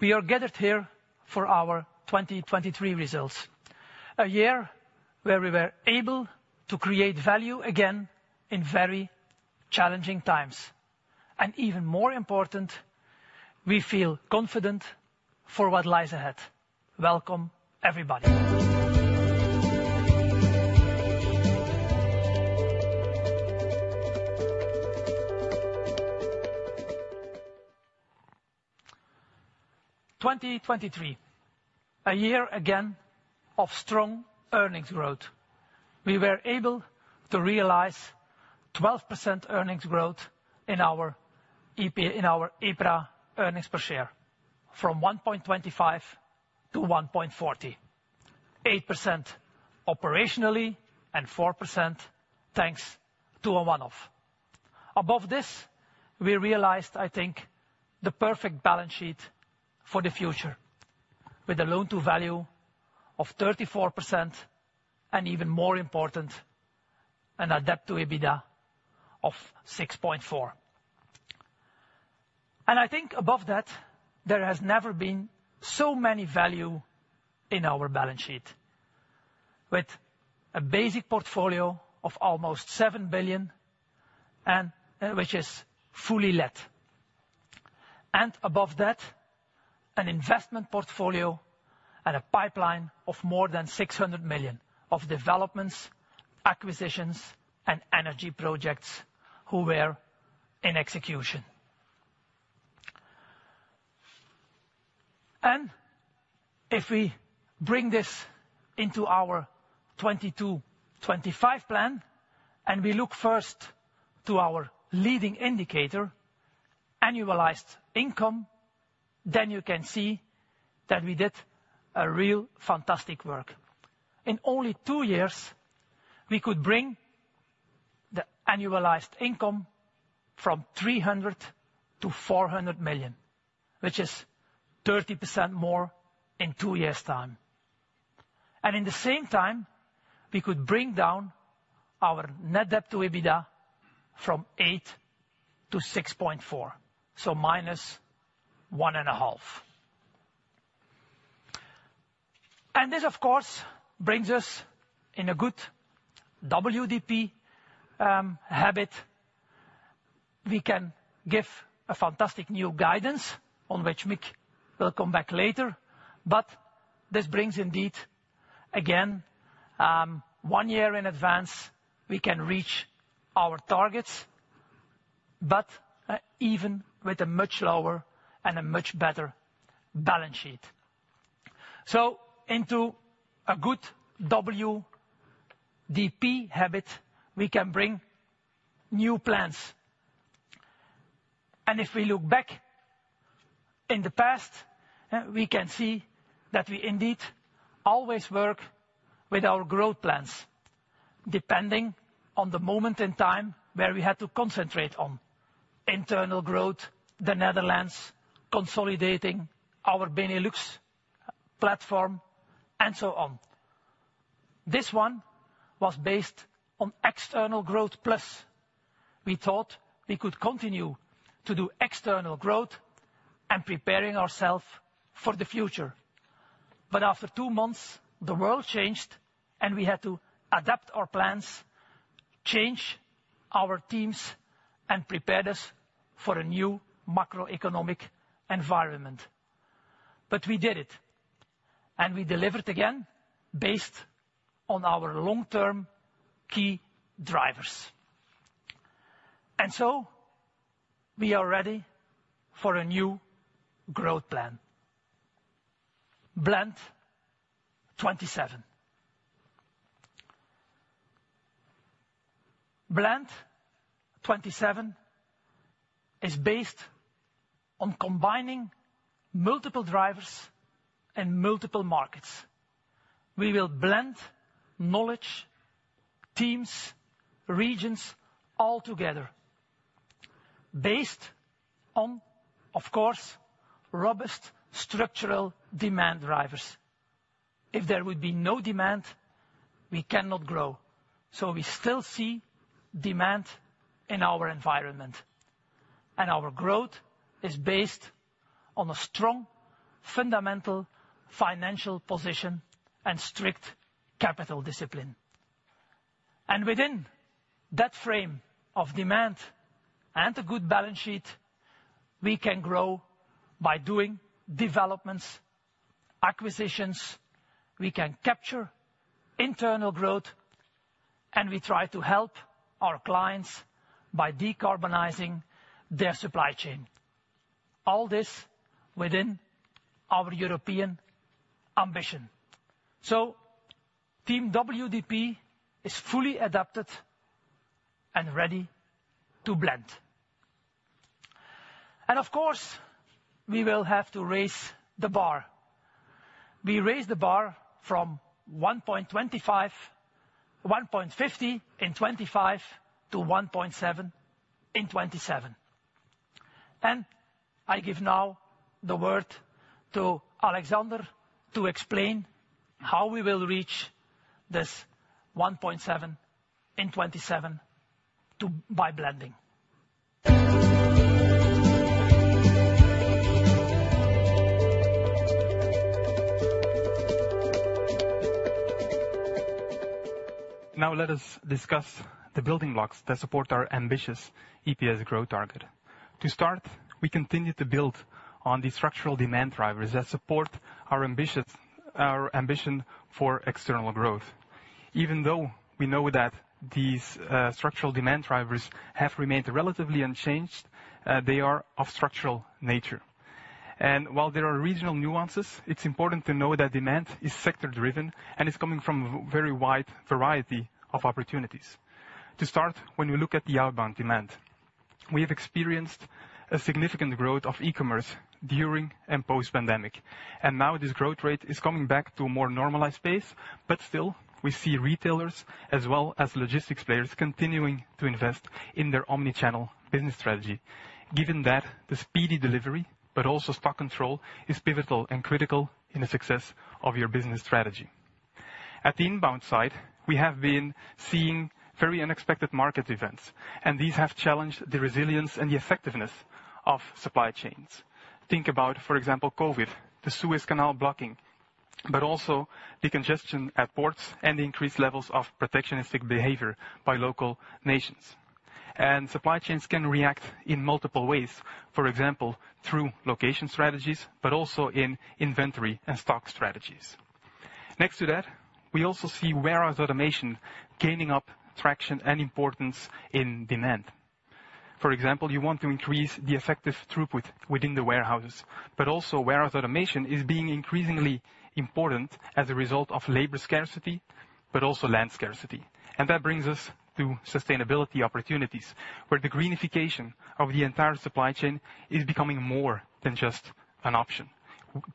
We are gathered here for our 2023 results, a year where we were able to create value again in very challenging times, and even more important, we feel confident for what lies ahead. Welcome, everybody. 2023, a year again of strong earnings growth. We were able to realize 12% earnings growth in our EPRA earnings per share, from 1.25 to 1.40. 8% operationally, and 4%, thanks to a one-off. Above this, we realized, I think, the perfect balance sheet for the future, with a loan-to-value of 34%, and even more important, and a debt-to-EBITDA of 6.4. And I think above that, there has never been so many value in our balance sheet, with a basic portfolio of almost 7 billion and, which is fully let. Above that, an investment portfolio and a pipeline of more than 600 million of developments, acquisitions, and energy projects who were in execution. If we bring this into our 2022-2025 plan, and we look first to our leading indicator, annualized income, then you can see that we did a real fantastic work. In only two years, we could bring the annualized income from 300 million to 400 million, which is 30% more in two years' time. And in the same time, we could bring down our net debt to EBITDA from 8 to 6.4, so -1.5. And this, of course, brings us in a good WDP habit. We can give a fantastic new guidance on which Mick will come back later, but this brings indeed, again, one year in advance, we can reach our targets, but, even with a much lower and a much better balance sheet. So into a good WDP habit, we can bring new plans. And if we look back in the past, we can see that we indeed always work with our growth plans, depending on the moment in time where we had to concentrate on internal growth, the Netherlands, consolidating our Benelux platform, and so on. This one was based on external growth. Plus, we thought we could continue to do external growth and preparing ourself for the future. But after two months, the world changed, and we had to adapt our plans, change our teams, and prepare us for a new macroeconomic environment. But we did it, and we delivered again based on our long-term key drivers. So we are ready for a new growth plan. BLEND 2027. BLEND 2027 is based on combining multiple drivers and multiple markets. We will blend knowledge, teams, regions all together, based on, of course, robust structural demand drivers. If there would be no demand, we cannot grow, so we still see demand in our environment, and our growth is based on a strong, fundamental financial position and strict capital discipline. Within that frame of demand and a good balance sheet, we can grow byl doing developments, acquisitions, we can capture internal growth, and we try to help our clients by decarbonizing their supply chain. All this within our European ambition. So Team WDP is fully adapted and ready to blend. And of course, we will have to raise the bar. We raise the bar from 1.25, 1.50 in 2025, to 1.7 in 2027, and I give now the word to Alexander to explain how we will reach this 1.7 in 2027.... to by blending. Now let us discuss the building blocks that support our ambitious EPS growth target. To start, we continue to build on the structural demand drivers that support our ambitious, our ambition for external growth. Even though we know that these structural demand drivers have remained relatively unchanged, they are of structural nature. And while there are regional nuances, it's important to know that demand is sector-driven and is coming from a very wide variety of opportunities. To start, when you look at the outbound demand, we have experienced a significant growth of e-commerce during and post-pandemic, and now this growth rate is coming back to a more normalized pace. But still, we see retailers as well as logistics players continuing to invest in their omni-channel business strategy. Given that the speedy delivery, but also stock control, is pivotal and critical in the success of your business strategy. At the inbound side, we have been seeing very unexpected market events, and these have challenged the resilience and the effectiveness of supply chains. Think about, for example, COVID, the Suez Canal blocking, but also the congestion at ports and the increased levels of protectionistic behavior by local nations. Supply chains can react in multiple ways, for example, through location strategies, but also in inventory and stock strategies. Next to that, we also see warehouse automation gaining up traction and importance in demand. For example, you want to increase the effective throughput within the warehouses, but also warehouse automation is being increasingly important as a result of labor scarcity, but also land scarcity. That brings us to sustainability opportunities, where the greenification of the entire supply chain is becoming more than just an option.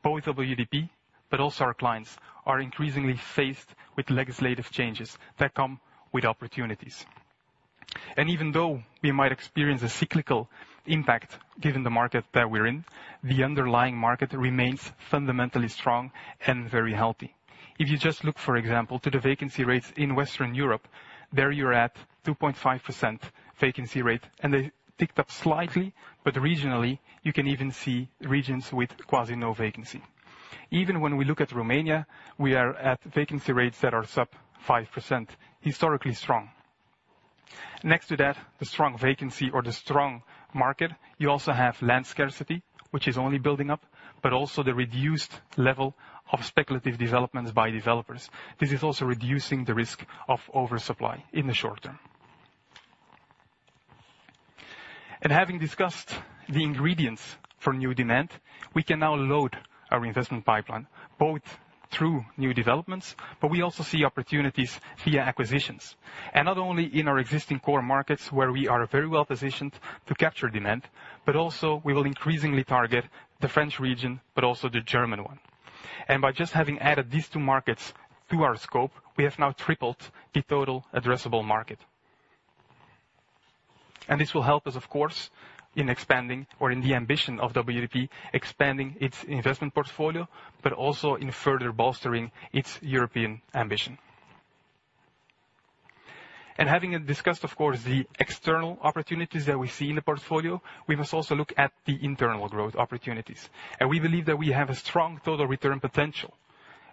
Both WDP, but also our clients, are increasingly faced with legislative changes that come with opportunities. Even though we might experience a cyclical impact, given the market that we're in, the underlying market remains fundamentally strong and very healthy. If you just look, for example, to the vacancy rates in Western Europe, there you're at 2.5% vacancy rate, and they ticked up slightly. Regionally, you can even see regions with quasi-no vacancy. Even when we look at Romania, we are at vacancy rates that are sub 5%, historically strong. Next to that, the strong vacancy or the strong market, you also have land scarcity, which is only building up, but also the reduced level of speculative developments by developers. This is also reducing the risk of oversupply in the short term. Having discussed the ingredients for new demand, we can now load our investment pipeline, both through new developments, but we also see opportunities via acquisitions. Not only in our existing core markets, where we are very well positioned to capture demand, but also we will increasingly target the French region, but also the German one. By just having added these two markets to our scope, we have now tripled the total addressable market. This will help us, of course, in expanding or in the ambition of WDP, expanding its investment portfolio, but also in further bolstering its European ambition. Having discussed, of course, the external opportunities that we see in the portfolio, we must also look at the internal growth opportunities. We believe that we have a strong total return potential.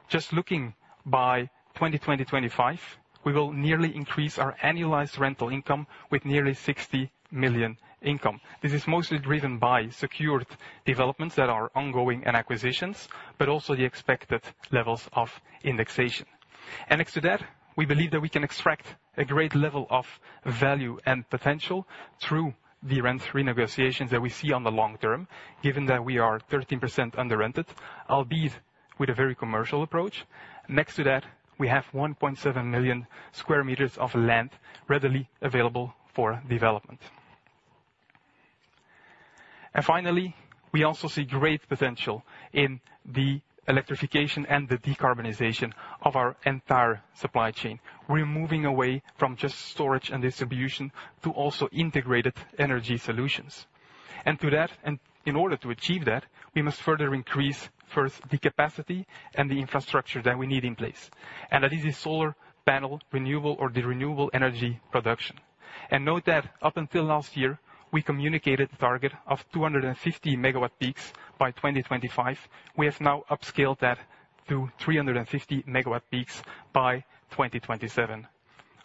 Just looking by 2025, we will nearly increase our annualized rental income with nearly 60 million income. This is mostly driven by secured developments that are ongoing and acquisitions, but also the expected levels of indexation. Next to that, we believe that we can extract a great level of value and potential through the rent renegotiations that we see on the long term, given that we are 13% under rented, albeit with a very commercial approach. Next to that, we have 1.7 million sq m of land readily available for development. Finally, we also see great potential in the electrification and the decarbonization of our entire supply chain. We're moving away from just storage and distribution to also integrated energy solutions. And to that... In order to achieve that, we must further increase first, the capacity and the infrastructure that we need in place, and that is the solar panel, renewable or the renewable energy production. Note that up until last year, we communicated the target of 250 MWp by 2025. We have now upscaled that to 350 MWp by 2027.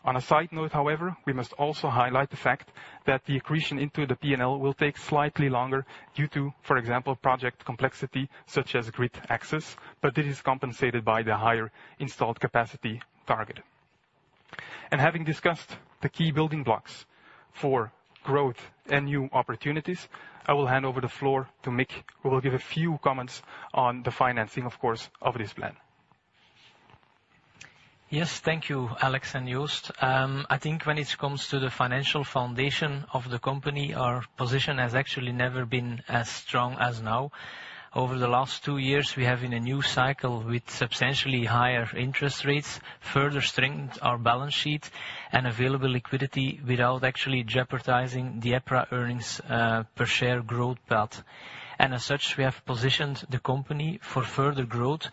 On a side note, however, we must also highlight the fact that the accretion into the P&L will take slightly longer due to, for example, project complexity, such as grid access, but this is compensated by the higher installed capacity target. Having discussed the key building blocks for growth and new opportunities, I will hand over the floor to Mick, who will give a few comments on the financing, of course, of this plan. Yes, thank you, Alex and Joost. I think when it comes to the financial foundation of the company, our position has actually never been as strong as now. ...Over the last two years, we have in a new cycle, with substantially higher interest rates, further strengthened our balance sheet and available liquidity, without actually jeopardizing the EPRA earnings per share growth path. And as such, we have positioned the company for further growth,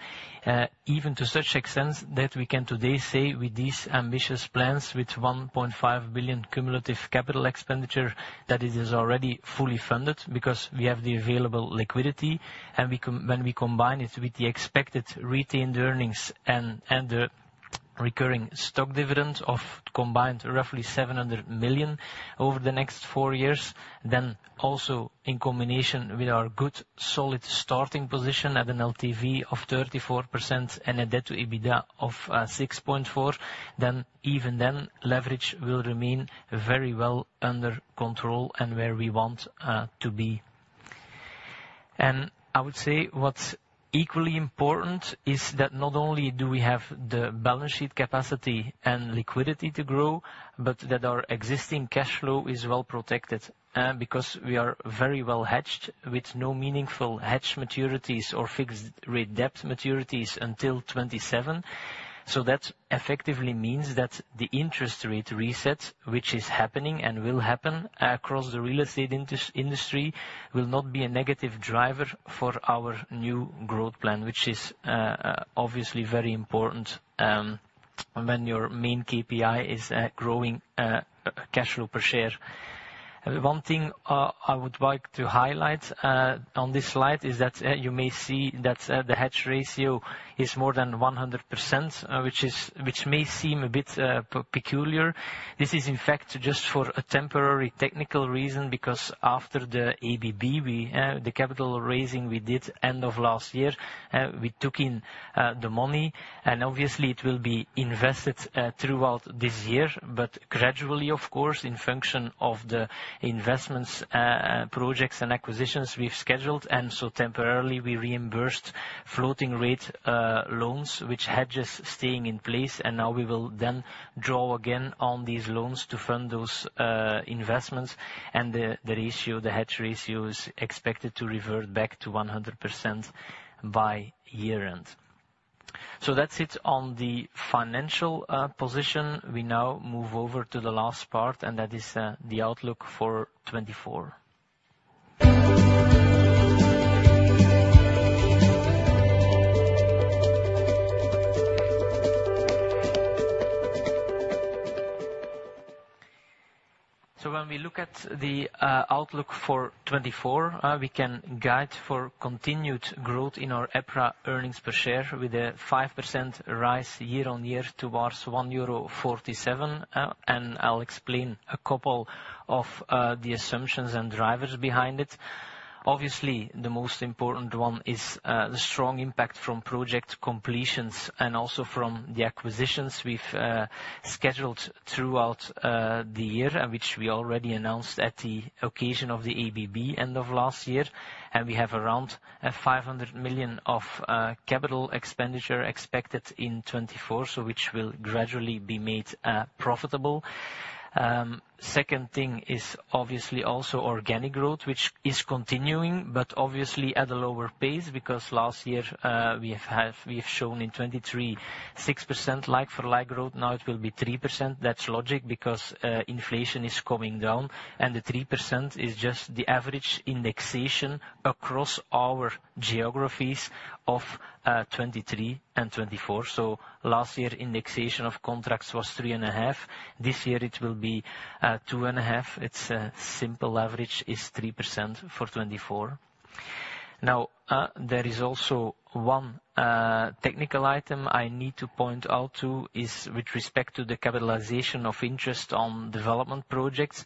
even to such extent that we can today say, with these ambitious plans, with 1.5 billion cumulative capital expenditure, that it is already fully funded, because we have the available liquidity. When we combine it with the expected retained earnings and, and the recurring stock dividend of combined roughly 700 million over the next four years, then also in combination with our good, solid starting position at an LTV of 34% and a debt to EBITDA of 6.4, then even then, leverage will remain very well under control and where we want to be. And I would say what's equally important is that not only do we have the balance sheet capacity and liquidity to grow, but that our existing cash flow is well protected, because we are very well hedged, with no meaningful hedge maturities or fixed-rate debt maturities until 2027. So that effectively means that the interest rate reset, which is happening and will happen across the real estate industry, will not be a negative driver for our new growth plan, which is, obviously, very important, when your main KPI is growing cash flow per share. One thing, I would like to highlight, on this slide, is that, you may see that, the hedge ratio is more than 100%, which may seem a bit peculiar. This is, in fact, just for a temporary technical reason, because after the ABB, the capital raising we did end of last year, we took in the money, and obviously, it will be invested throughout this year. But gradually, of course, in function of the investments, projects, and acquisitions we've scheduled, and so temporarily, we reimbursed floating rate loans, which hedges staying in place, and now we will then draw again on these loans to fund those investments. And the ratio, the hedge ratio, is expected to revert back to 100% by year-end. So that's it on the financial position. We now move over to the last part, and that is the outlook for 2024. So when we look at the outlook for 2024, we can guide for continued growth in our EPRA earnings per share, with a 5% rise year-on-year towards 1.47 euro, and I'll explain a couple of the assumptions and drivers behind it. Obviously, the most important one is, the strong impact from project completions and also from the acquisitions we've scheduled throughout the year, and which we already announced at the occasion of the ABB end of last year. And we have around 500 million of capital expenditure expected in 2024, so which will gradually be made profitable. Second thing is obviously also organic growth, which is continuing, but obviously at a lower pace, because last year, we have shown in 2023, 6% like-for-like growth, now it will be 3%. That's logic, because, inflation is coming down, and the 3% is just the average indexation across our geographies of 2023 and 2024. So last year, indexation of contracts was 3.5%. This year it will be 2.5%. It's a simple average of 3% for 2024. Now, there is also one technical item I need to point out, too, with respect to the capitalization of interest on development projects.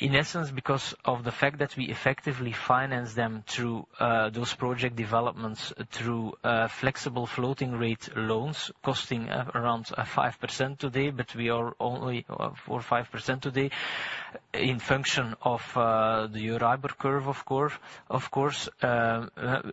In essence, because of the fact that we effectively finance them through those project developments through flexible floating rate loans costing around 5% today, but we are only 4%-5% today. In function of the EURIBOR curve, of course,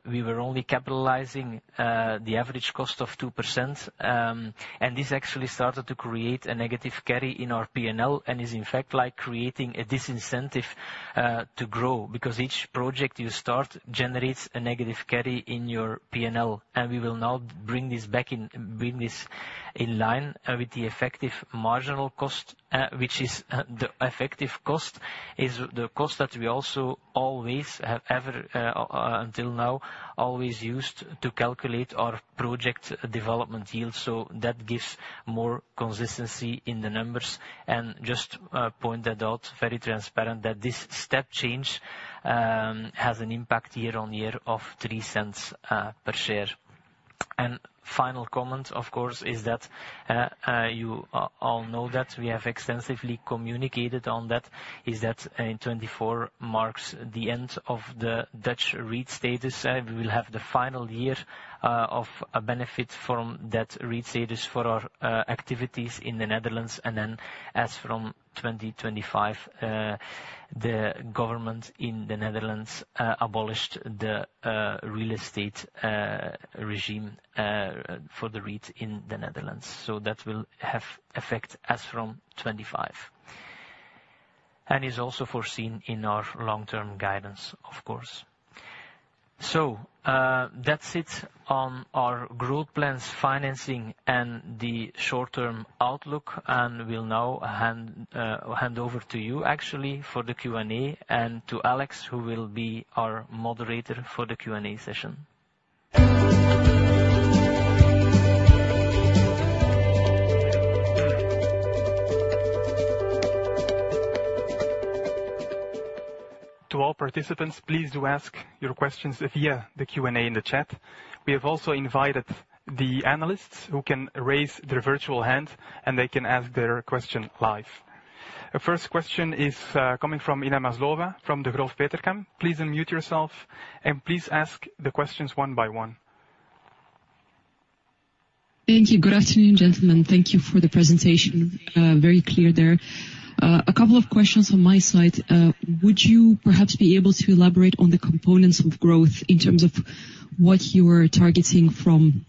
we were only capitalizing the average cost of 2%. And this actually started to create a negative carry in our P&L and is, in fact, like creating a disincentive to grow, because each project you start generates a negative carry in your P&L. We will now bring this back in—bring this in line with the effective marginal cost, which is the effective cost, is the cost that we also always have ever until now always used to calculate our project development yield. So that gives more consistency in the numbers. And just point that out, very transparent, that this step change has an impact year-on-year of 0.03 per share. And final comment, of course, is that you all know that we have extensively communicated on that, is that in 2024 marks the end of the Dutch REIT status. We will have the final year of a benefit from that REIT status for our activities in the Netherlands. And then, as from 2025, the government in the Netherlands abolished the real estate regime for the REITs in the Netherlands. So that will have effect as from 2025.... and is also foreseen in our long-term guidance, of course. So, that's it on our growth plans, financing, and the short-term outlook, and we'll now hand over to you, actually, for the Q&A, and to Alex, who will be our moderator for the Q&A session. To all participants, please do ask your questions via the Q&A in the chat. We have also invited the analysts, who can raise their virtual hand, and they can ask their question live. The first question is coming from Inna Maslova from Degroof Petercam. Please unmute yourself, and please ask the questions one by one. Thank you. Good afternoon, gentlemen. Thank you for the presentation. Very clear there. A couple of questions from my side. Would you perhaps be able to elaborate on the components of growth in terms of what you are targeting from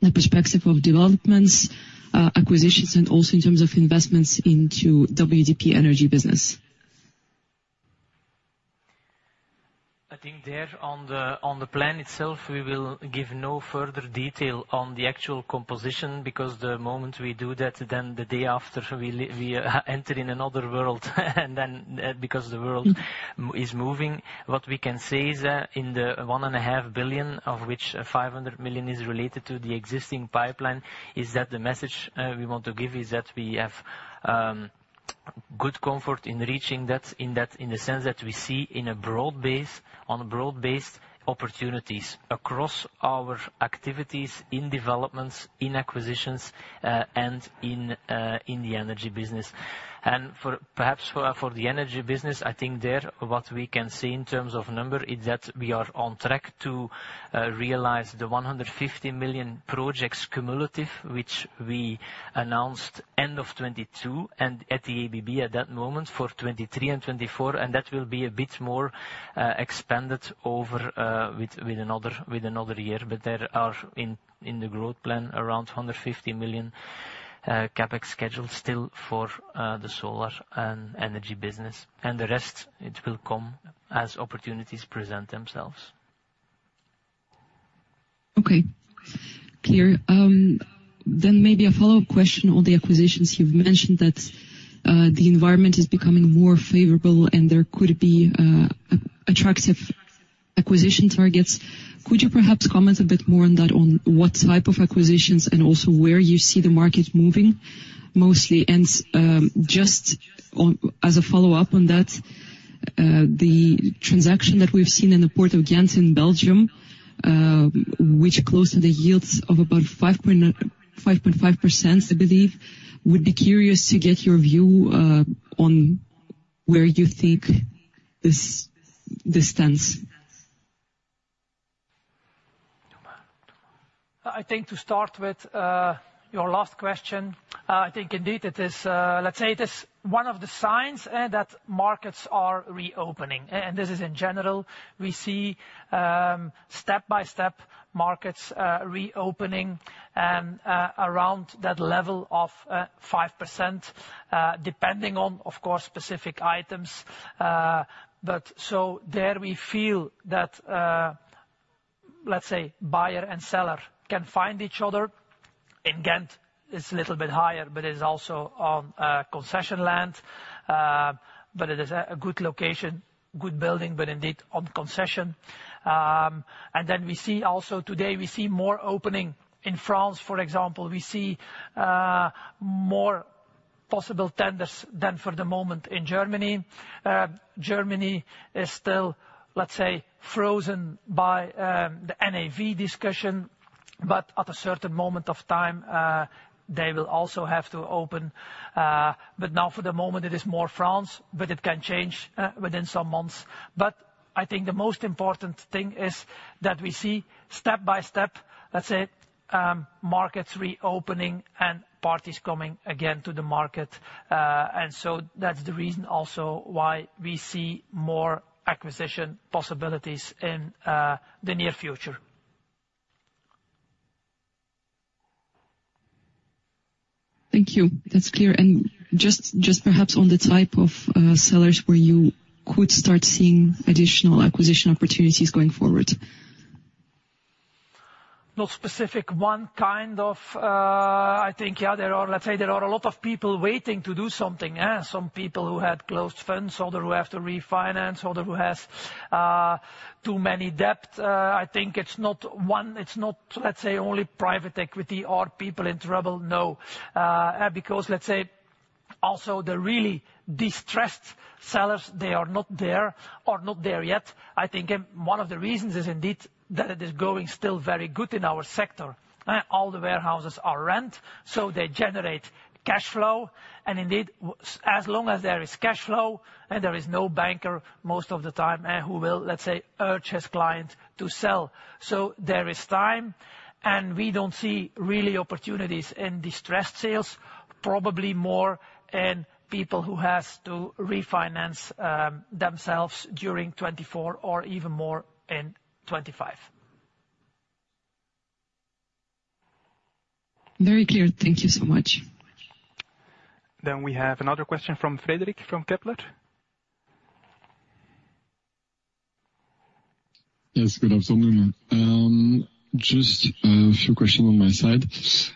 the perspective of developments, acquisitions, and also in terms of investments into WDP Energy business? I think there, on the plan itself, we will give no further detail on the actual composition, because the moment we do that, then the day after, we enter in another world, and then, because the world- Mm... is moving. What we can say is that in the 1.5 billion, of which 500 million is related to the existing pipeline, is that the message we want to give is that we have good comfort in reaching that, in that, in the sense that we see in a broad base, on broad-based opportunities across our activities, in developments, in acquisitions, and in, in the energy business. And for perhaps, for, for the energy business, I think there, what we can say in terms of number is that we are on track to realize the 150 million projects cumulative, which we announced end of 2022, and at the ABB at that moment for 2023 and 2024, and that will be a bit more expanded over, with, with another, with another year. But there are in the growth plan around 150 million CapEx schedules still for the solar and energy business. And the rest, it will come as opportunities present themselves. Okay, clear. Then maybe a follow-up question on the acquisitions. You've mentioned that, the environment is becoming more favorable and there could be, attractive acquisition targets. Could you perhaps comment a bit more on that, on what type of acquisitions, and also where you see the market moving mostly? And just on, as a follow-up on that, the transaction that we've seen in the Port of Ghent in Belgium, which closed the yields of about 5.5%, I believe. Would be curious to get your view, on where you think this, this stands. I think to start with, your last question, I think indeed it is, let's say it is one of the signs that markets are reopening, and this is in general. We see, step by step, markets, reopening, around that level of, 5%, depending on, of course, specific items. But so there we feel that, let's say buyer and seller can find each other. In Ghent, it's a little bit higher, but it's also on, concession land. But it is a good location, good building, but indeed on concession. And then we see also today, we see more opening in France, for example. We see, more possible tenders than for the moment in Germany. Germany is still, let's say, frozen by the NAV discussion, but at a certain moment of time, they will also have to open. But now for the moment, it is more France, but it can change within some months. But I think the most important thing is that we see step by step, let's say, markets reopening and parties coming again to the market. And so that's the reason also why we see more acquisition possibilities in the near future. Thank you. That's clear. And just, just perhaps on the type of sellers where you could start seeing additional acquisition opportunities going forward. Not specific. One kind of, I think, yeah, there are... Let's say there are a lot of people waiting to do something, yeah. Some people who had closed funds, other who have to refinance, other who has too many debt. I think it's not one. It's not, let's say, only private equity or people in trouble, no. Because let's say, also, the really distressed sellers, they are not there or not there yet. I think one of the reasons is indeed that it is going still very good in our sector, all the warehouses are rent, so they generate cash flow. And indeed, as long as there is cash flow, and there is no banker, most of the time, who will, let's say, urge his client to sell. So there is time, and we don't see really opportunities in distressed sales. Probably more in people who has to refinance themselves during 2024 or even more in 2025. ... Very clear. Thank you so much. Then we have another question from Frédéric, from Kepler. Yes, good afternoon. Just a few questions on my side.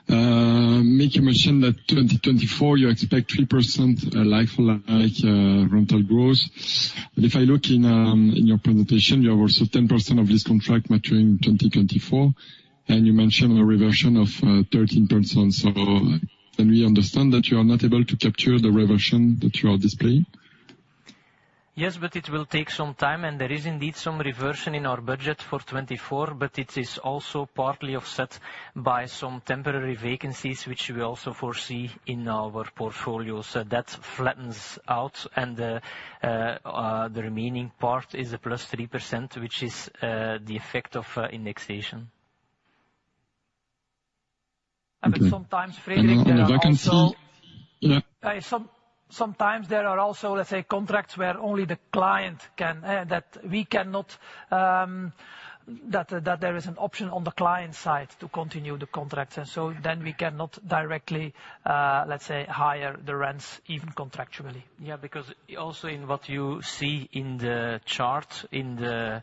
Mick, you mentioned that 2024, you expect 3% like-for-like rental growth. But if I look in, in your presentation, you have also 10% of this contract maturing in 2024, and you mentioned a reversion of 13%. So can we understand that you are not able to capture the reversion that you are displaying? Yes, but it will take some time, and there is indeed some reversion in our budget for 2024, but it is also partly offset by some temporary vacancies, which we also foresee in our portfolio. So that flattens out, and the remaining part is +3%, which is the effect of indexation. Okay. But sometimes, Frédéric, there are also- On the vacancy... Yeah. Sometimes there are also, let's say, contracts where only the client can that we cannot that there is an option on the client side to continue the contract. And so then we cannot directly, let's say, hire the rents, even contractually. Yeah, because also in what you see in the chart, in the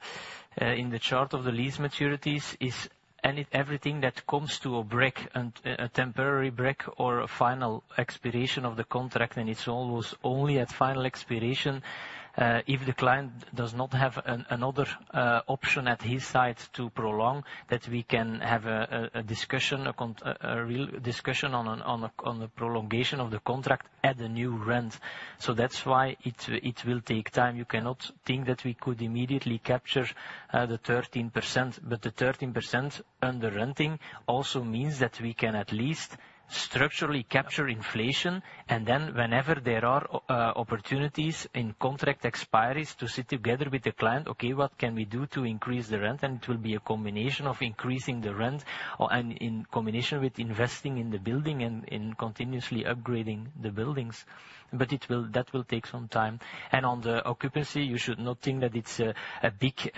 chart of the lease maturities, is everything that comes to a break, and a temporary break or a final expiration of the contract, then it's almost only at final expiration. If the client does not have another option at his side to prolong, that we can have a discussion, a real discussion on the prolongation of the contract at the new rent. So that's why it will take time. You cannot think that we could immediately capture the 13%. But the 13% under renting also means that we can at least structurally capture inflation, and then whenever there are opportunities in contract expiries to sit together with the client, "Okay, what can we do to increase the rent?" And it will be a combination of increasing the rent or and in combination with investing in the building and continuously upgrading the buildings. But that will take some time. And on the occupancy, you should not think that it's a big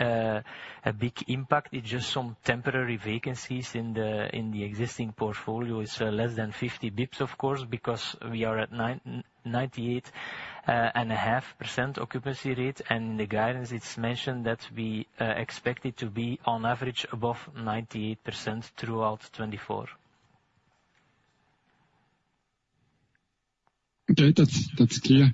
impact. It's just some temporary vacancies in the existing portfolio. It's less than 50 basis points, of course, because we are at 98.5% occupancy rate, and the guidance, it's mentioned that we expect it to be on average above 98% throughout 2024. Okay, that's clear.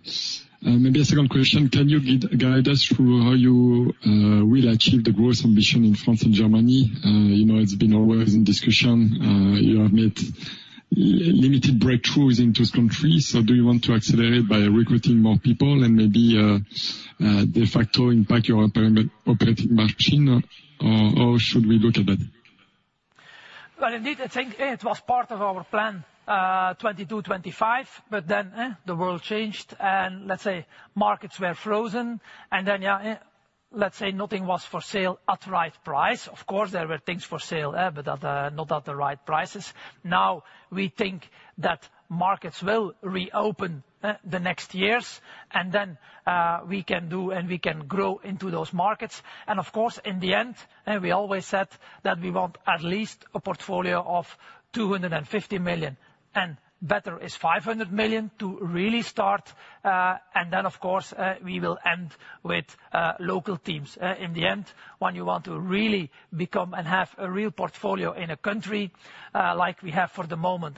Maybe a second question: Can you guide us through how you will achieve the growth ambition in France and Germany? You know, it's been always in discussion. You have made limited breakthroughs in those countries, so do you want to accelerate by recruiting more people and maybe de facto impact your operating margin? Or how should we look at that? Well, indeed, I think it was part of our plan 2022-2025, but then the world changed and, let's say, markets were frozen. And then, yeah, let's say nothing was for sale at the right price. Of course, there were things for sale, but not at the right prices. Now, we think that markets will reopen the next years, and then we can do and we can grow into those markets. And of course, in the end, and we always said that we want at least a portfolio of 250 million, and better is 500 million to really start. And then, of course, we will end with local teams. In the end, when you want to really become and have a real portfolio in a country, like we have for the moment,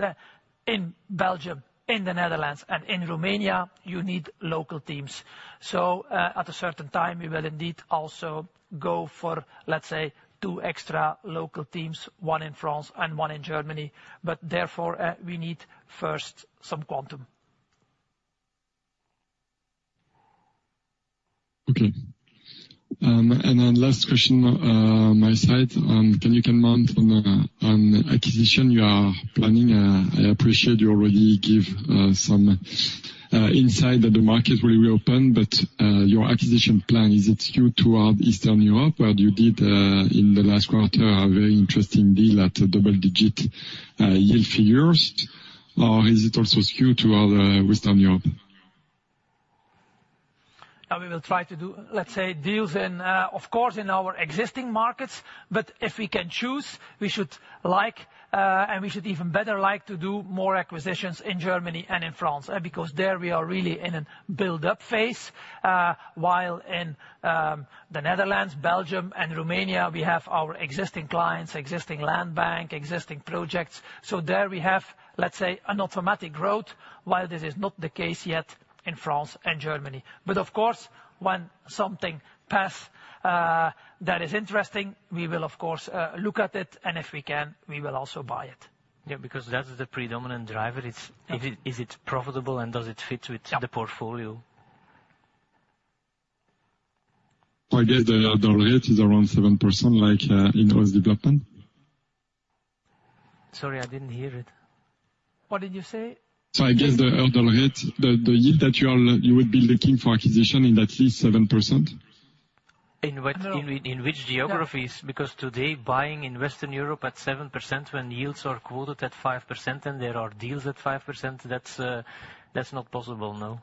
in Belgium, in the Netherlands, and in Romania, you need local teams. So, at a certain time, we will indeed also go for, let's say, two extra local teams, one in France and one in Germany, but therefore, we need first some quantum. Okay. And then last question, my side. Can you comment on acquisition you are planning? I appreciate you already give some insight that the market will reopen, but your acquisition plan, is it skewed toward Eastern Europe, where you did in the last quarter a very interesting deal at double-digit yield figures? Or is it also skewed toward Western Europe? We will try to do, let's say, deals in, of course, in our existing markets, but if we can choose, we should like, and we should even better like to do more acquisitions in Germany and in France, because there we are really in a build-up phase. While in, the Netherlands, Belgium, and Romania, we have our existing clients, existing land bank, existing projects. So there we have, let's say, an automatic growth, while this is not the case yet in France and Germany. But of course, when something pass, that is interesting, we will of course, look at it, and if we can, we will also buy it. Yeah, because that is the predominant driver. Is it profitable, and does it fit- Yeah. with the portfolio? I guess the hurdle rate is around 7%, like, in house development. Sorry, I didn't hear it. What did you say? I guess the hurdle rate, the yield that you are, you would be looking for acquisition in that is 7%? In what- No. In which geographies? Yeah. Because today, buying in Western Europe at 7% when yields are quoted at 5%, and there are deals at 5%, that's, that's not possible, no....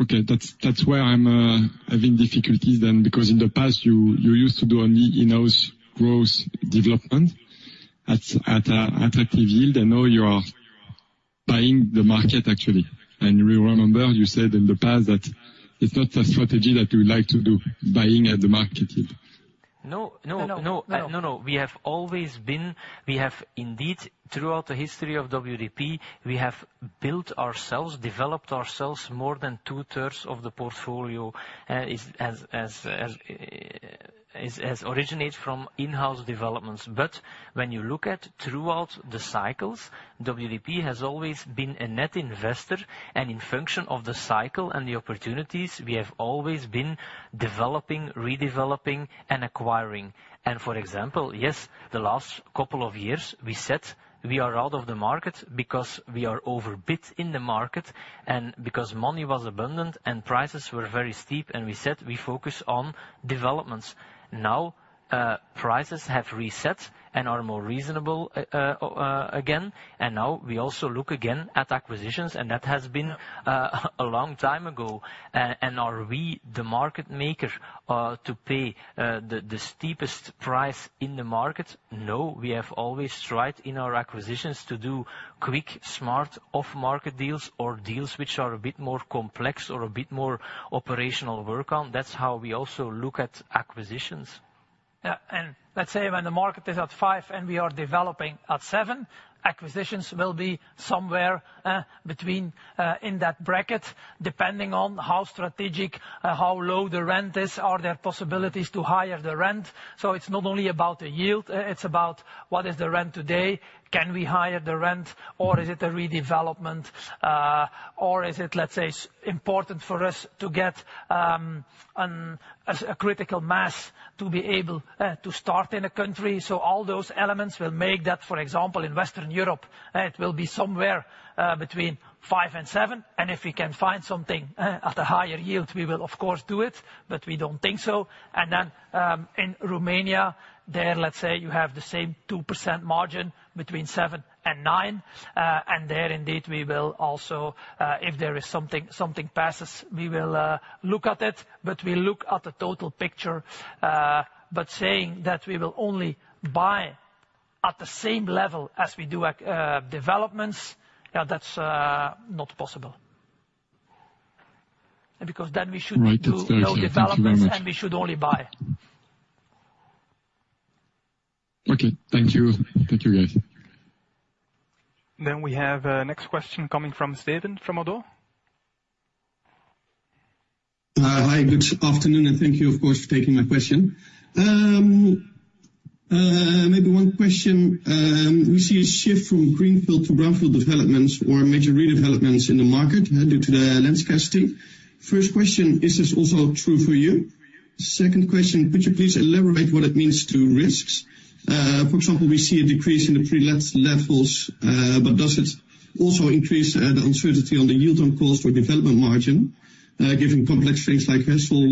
Okay, that's, that's where I'm having difficulties then, because in the past, you, you used to do only in-house growth development at, at, at active yield, and now you are buying the market, actually. And we remember you said in the past that it's not a strategy that you would like to do, buying at the market yield. No, no, no. No, no, we have always been. We have indeed, throughout the history of WDP, we have built ourselves, developed ourselves. More than 2/3 of the portfolio is as originates from in-house developments. But when you look at throughout the cycles, WDP has always been a net investor, and in function of the cycle and the opportunities, we have always been developing, redeveloping, and acquiring. And for example, yes, the last couple of years, we said we are out of the market because we are overbid in the market and because money was abundant and prices were very steep, and we said, we focus on developments. Now, prices have reset and are more reasonable again, and now we also look again at acquisitions, and that has been a long time ago. Are we the market maker to pay the steepest price in the market? No, we have always strived in our acquisitions to do quick, smart, off-market deals or deals which are a bit more complex or a bit more operational work on. That's how we also look at acquisitions. Let's say when the market is at five, and we are developing at seven, acquisitions will be somewhere between in that bracket, depending on how strategic, how low the rent is, are there possibilities to higher the rent? So it's not only about the yield, it's about what is the rent today? Can we higher the rent, or is it a redevelopment? Or is it, let's say, important for us to get a critical mass to be able to start in a country? So all those elements will make that. For example, in Western Europe, it will be somewhere between five and seven, and if we can find something at a higher yield, we will of course do it, but we don't think so. Then, in Romania, there, let's say you have the same 2% margin between seven and nine, and there indeed, we will also, if there is something, something passes, we will look at it, but we look at the total picture. But saying that we will only buy at the same level as we do at developments, that's not possible. Because then we should do- Right. That's clear. No developments- Thank you very much. We should only buy. Okay. Thank you. Thank you, guys. We have next question coming from Steven from ODDO. Hi, good afternoon, and thank you, of course, for taking my question. Maybe one question, we see a shift from greenfield to brownfield developments or major redevelopments in the market, due to the land scarcity. First question, is this also true for you? Second question, could you please elaborate what it means to risks? For example, we see a decrease in the pre-let levels, but does it also increase the uncertainty on the yield on cost or development margin, given complex things like hassle,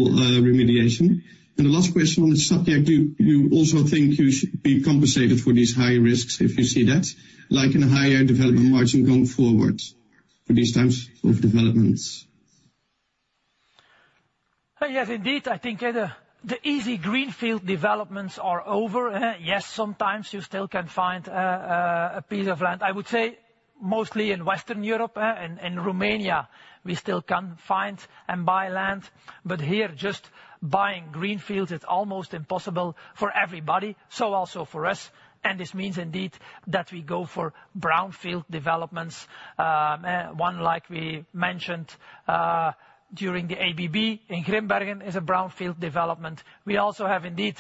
remediation? And the last question on this subject: do you also think you should be compensated for these high risks if you see that, like in a higher development margin going forward for these types of developments? Yes, indeed. I think the easy greenfield developments are over, yes, sometimes you still can find a piece of land. I would say mostly in Western Europe, and in Romania, we still can find and buy land, but here, just buying greenfields, it's almost impossible for everybody, so also for us, and this means indeed, that we go for brownfield developments. One, like we mentioned, during the ABB in Grimbergen, is a brownfield development. We also have, indeed,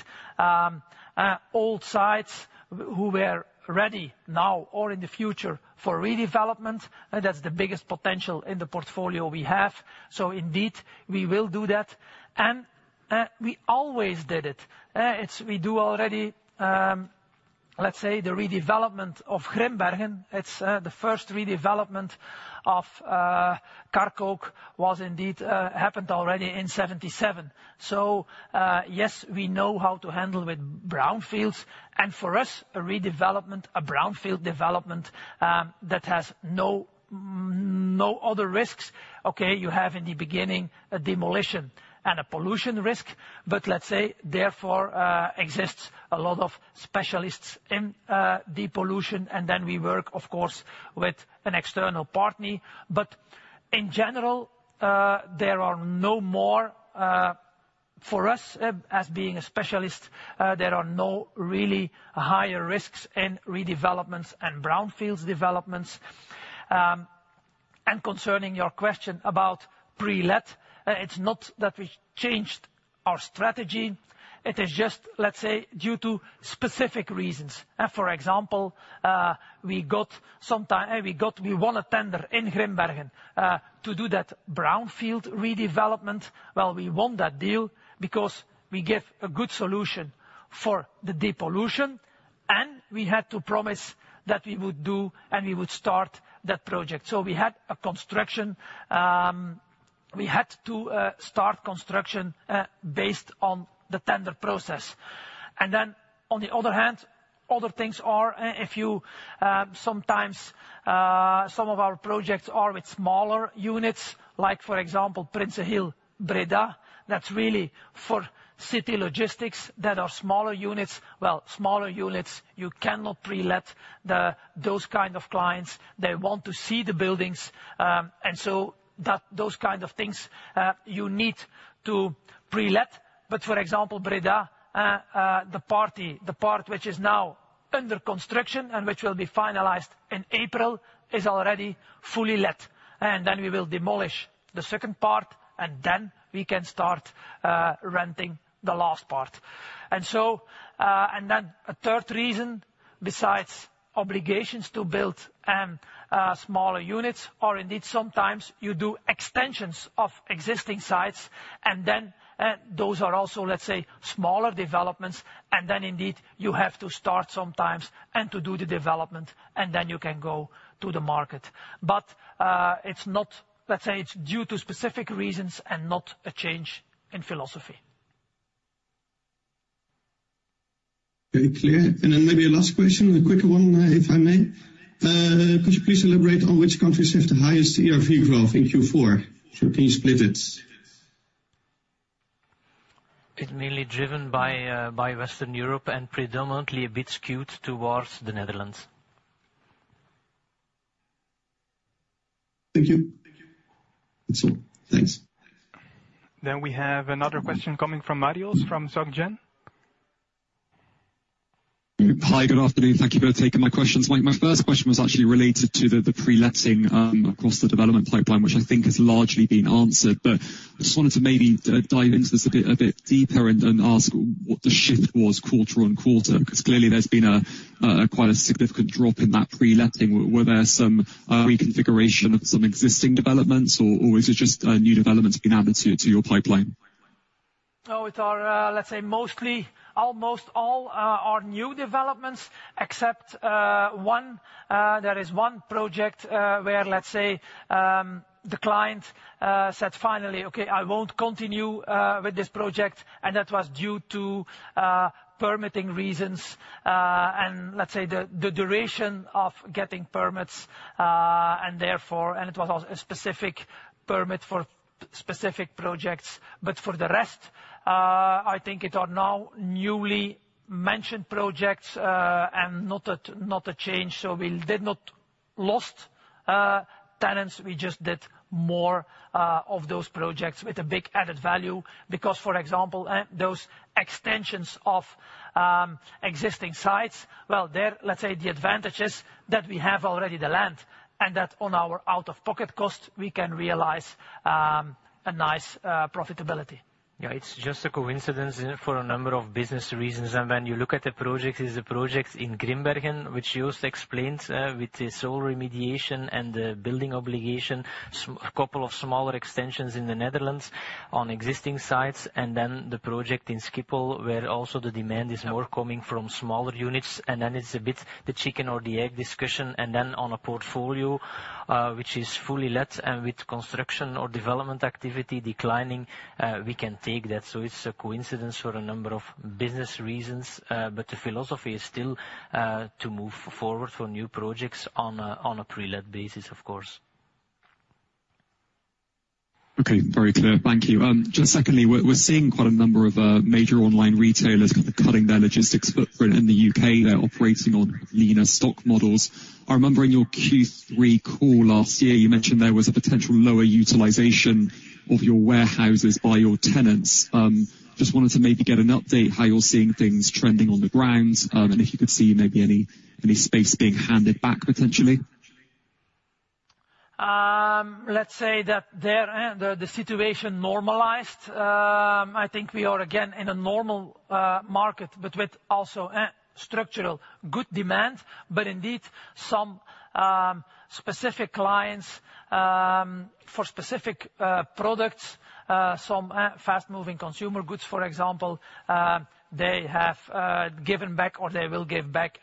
old sites who were ready now or in the future for redevelopment. That's the biggest potential in the portfolio we have. So indeed, we will do that. And we always did it. It's we do already, let's say the redevelopment of Grimbergen, it's the first redevelopment of Carlsberg was indeed happened already in 1977. So, yes, we know how to handle with brownfields and for us, a redevelopment, a brownfield development, that has no, no other risks. Okay, you have in the beginning, a demolition and a pollution risk, but let's say, therefore, exists a lot of specialists in, depollution, and then we work, of course, with an external partner. But in general, there are no more, for us, as being a specialist, there are no really higher risks in redevelopments and brownfields developments. And concerning your question about pre-let, it's not that we changed our strategy, it is just, let's say, due to specific reasons. For example, sometime we won a tender in Grimbergen to do that brownfield redevelopment. Well, we won that deal because we gave a good solution for the depollution, and we had to promise that we would do, and we would start that project. So we had a construction, we had to start construction based on the tender process. And then, on the other hand, other things are, if you, sometimes, some of our projects are with smaller units, like for example, Prinsenhil, Breda. That's really for city logistics that are smaller units. Well, smaller units, you cannot pre-let the those kind of clients. They want to see the buildings, and so that, those kind of things, you need to pre-let. But for example, Breda, the part which is now under construction and which will be finalized in April, is already fully let. And then we will demolish the second part, and then we can start renting the last part. And so, and then a third reason, besides obligations to build smaller units, are indeed sometimes you do extensions of existing sites, and then those are also, let's say, smaller developments, and then indeed, you have to start sometimes and to do the development, and then you can go to the market. But, it's not, let's say, it's due to specific reasons and not a change in philosophy. Very clear. And then maybe a last question, a quick one, if I may. Could you please elaborate on which countries have the highest ERV growth in Q4? So can you split it? It's mainly driven by, by Western Europe, and predominantly a bit skewed towards the Netherlands. Thank you. Thank you. That's all. Thanks. Then we have another question coming from Marios, from Soc Gen. Hi, good afternoon. Thank you for taking my questions. My first question was actually related to the pre-letting across the development pipeline, which I think has largely been answered. But I just wanted to maybe dive into this a bit deeper and ask what the shift was quarter-on-quarter, because clearly there's been a quite a significant drop in that pre-letting. Were there some reconfiguration of some existing developments, or is it just new developments being added to your pipeline? No, it are, let's say mostly, almost all are new developments, except one. There is one project, where, let's say, the client said: "Finally, okay, I won't continue with this project." And that was due to permitting reasons. And let's say, the duration of getting permits, and therefore. And it was a specific permit for specific projects. But for the rest, I think it are now newly mentioned projects, and not a change. So we did not lost tenants. We just did more of those projects with a big added value, because, for example, those extensions of existing sites, well, there, let's say, the advantage is that we have already the land, and that on our out-of-pocket cost, we can realize a nice profitability. Yeah, it's just a coincidence for a number of business reasons. And when you look at the project, it's the project in Grimbergen, which Joost explained, with the soil remediation and the building obligation, a couple of smaller extensions in the Netherlands on existing sites, and then the project in Schiphol, where also the demand is more coming from smaller units. And then it's a bit the chicken or the egg discussion, and then on a portfolio, which is fully let, and with construction or development activity declining, we can take that. So it's a coincidence for a number of business reasons, but the philosophy is still, to move forward for new projects on a pre-let basis, of course. Okay, very clear. Thank you. Just secondly, we're seeing quite a number of major online retailers kind of cutting their logistics footprint in the U.K. They're operating on leaner stock models. I remember in your Q3 call last year, you mentioned there was a potential lower utilization of your warehouses by your tenants. Just wanted to maybe get an update, how you're seeing things trending on the ground, and if you could see maybe any space being handed back, potentially. Let's say that the situation normalized. I think we are again in a normal market, but with also structural good demand. But indeed, some specific clients for specific products, some fast-moving consumer goods, for example, they have given back or they will give back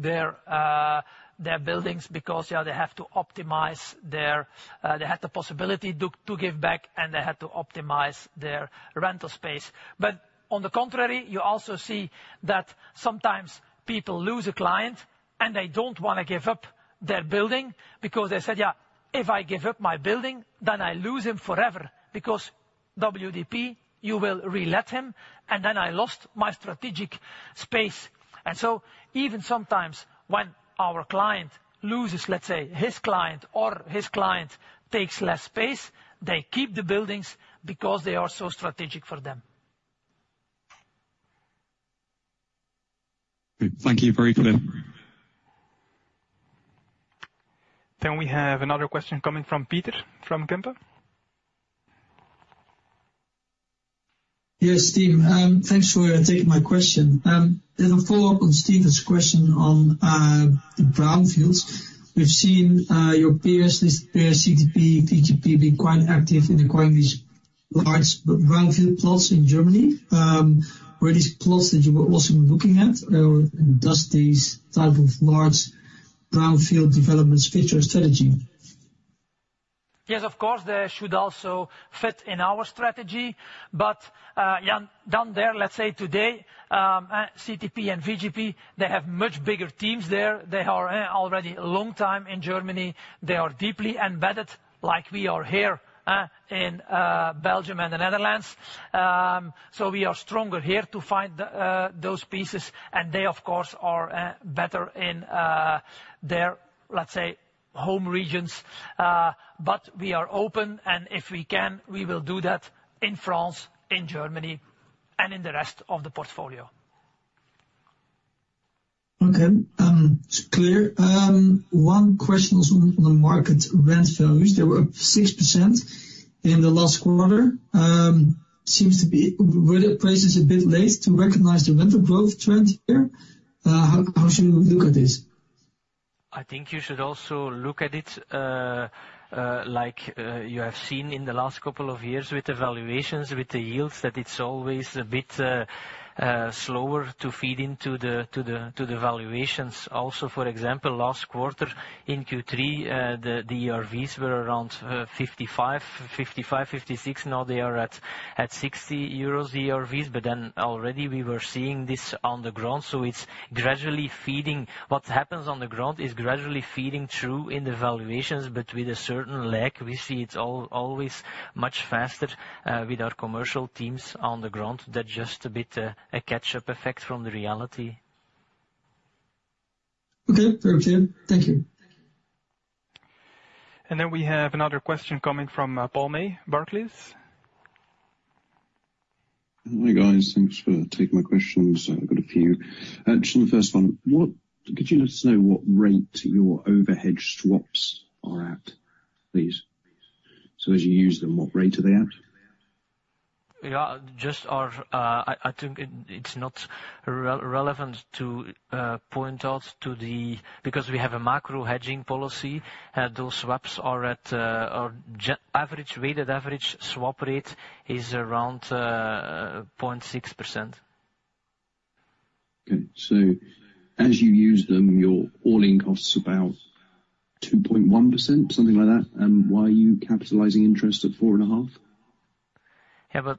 their buildings because, yeah, they have to optimize their. They had the possibility to give back, and they had to optimize their rental space. But on the contrary, you also see that sometimes people lose a client, and they don't want to give up their building because they said: "Yeah, if I give up my building, then I lose him forever, because WDP, you will relet him, and then I lost my strategic space." And so even sometimes when our client loses, let's say, his client or his client takes less space, they keep the buildings because they are so strategic for them. Thank you. Very clear. We have another question coming from Pieter, from Kempen. Yes, Steve, thanks for taking my question. As a follow-up on Steven's question on the brownfields. We've seen your peers, listed peer CTP, VGP, being quite active in acquiring these large brownfield plots in Germany. Were these plots that you were also looking at, or does these type of large brownfield developments fit your strategy?... Yes, of course, they should also fit in our strategy. But, yeah, down there, let's say today, CTP and VGP, they have much bigger teams there. They are, already a long time in Germany. They are deeply embedded, like we are here, in, Belgium and the Netherlands. So we are stronger here to find the, those pieces, and they, of course, are, better in, their, let's say, home regions. But we are open, and if we can, we will do that in France, in Germany, and in the rest of the portfolio. Okay. It's clear. One question on the market rent values. They were up 6% in the last quarter. Seems to be, were the prices a bit late to recognize the rental growth trend here? How should we look at this? I think you should also look at it, like, you have seen in the last couple of years with valuations, with the yields, that it's always a bit slower to feed into the, to the, to the valuations. Also, for example, last quarter, in Q3, the ERVs were around 55-56. Now they are at 60 euros ERVs, but then already we were seeing this on the ground, so it's gradually feeding. What happens on the ground is gradually feeding through in the valuations, but with a certain lag. We see it always much faster with our commercial teams on the ground. They're just a bit, a catch-up effect from the reality. Okay, very clear. Thank you. We have another question coming from Paul May, Barclays. Hi, guys. Thanks for taking my questions. I've got a few. Just the first one, what could you let us know what rate your overhead swaps are at, please? So as you use them, what rate are they at? Yeah, just our, I think it's not relevant to point out to the... Because we have a macro hedging policy, those swaps are at our average weighted average swap rate is around 0.6%. Okay. So as you use them, your all-in cost is about 2.1%, something like that, and why are you capitalizing interest at 4.5?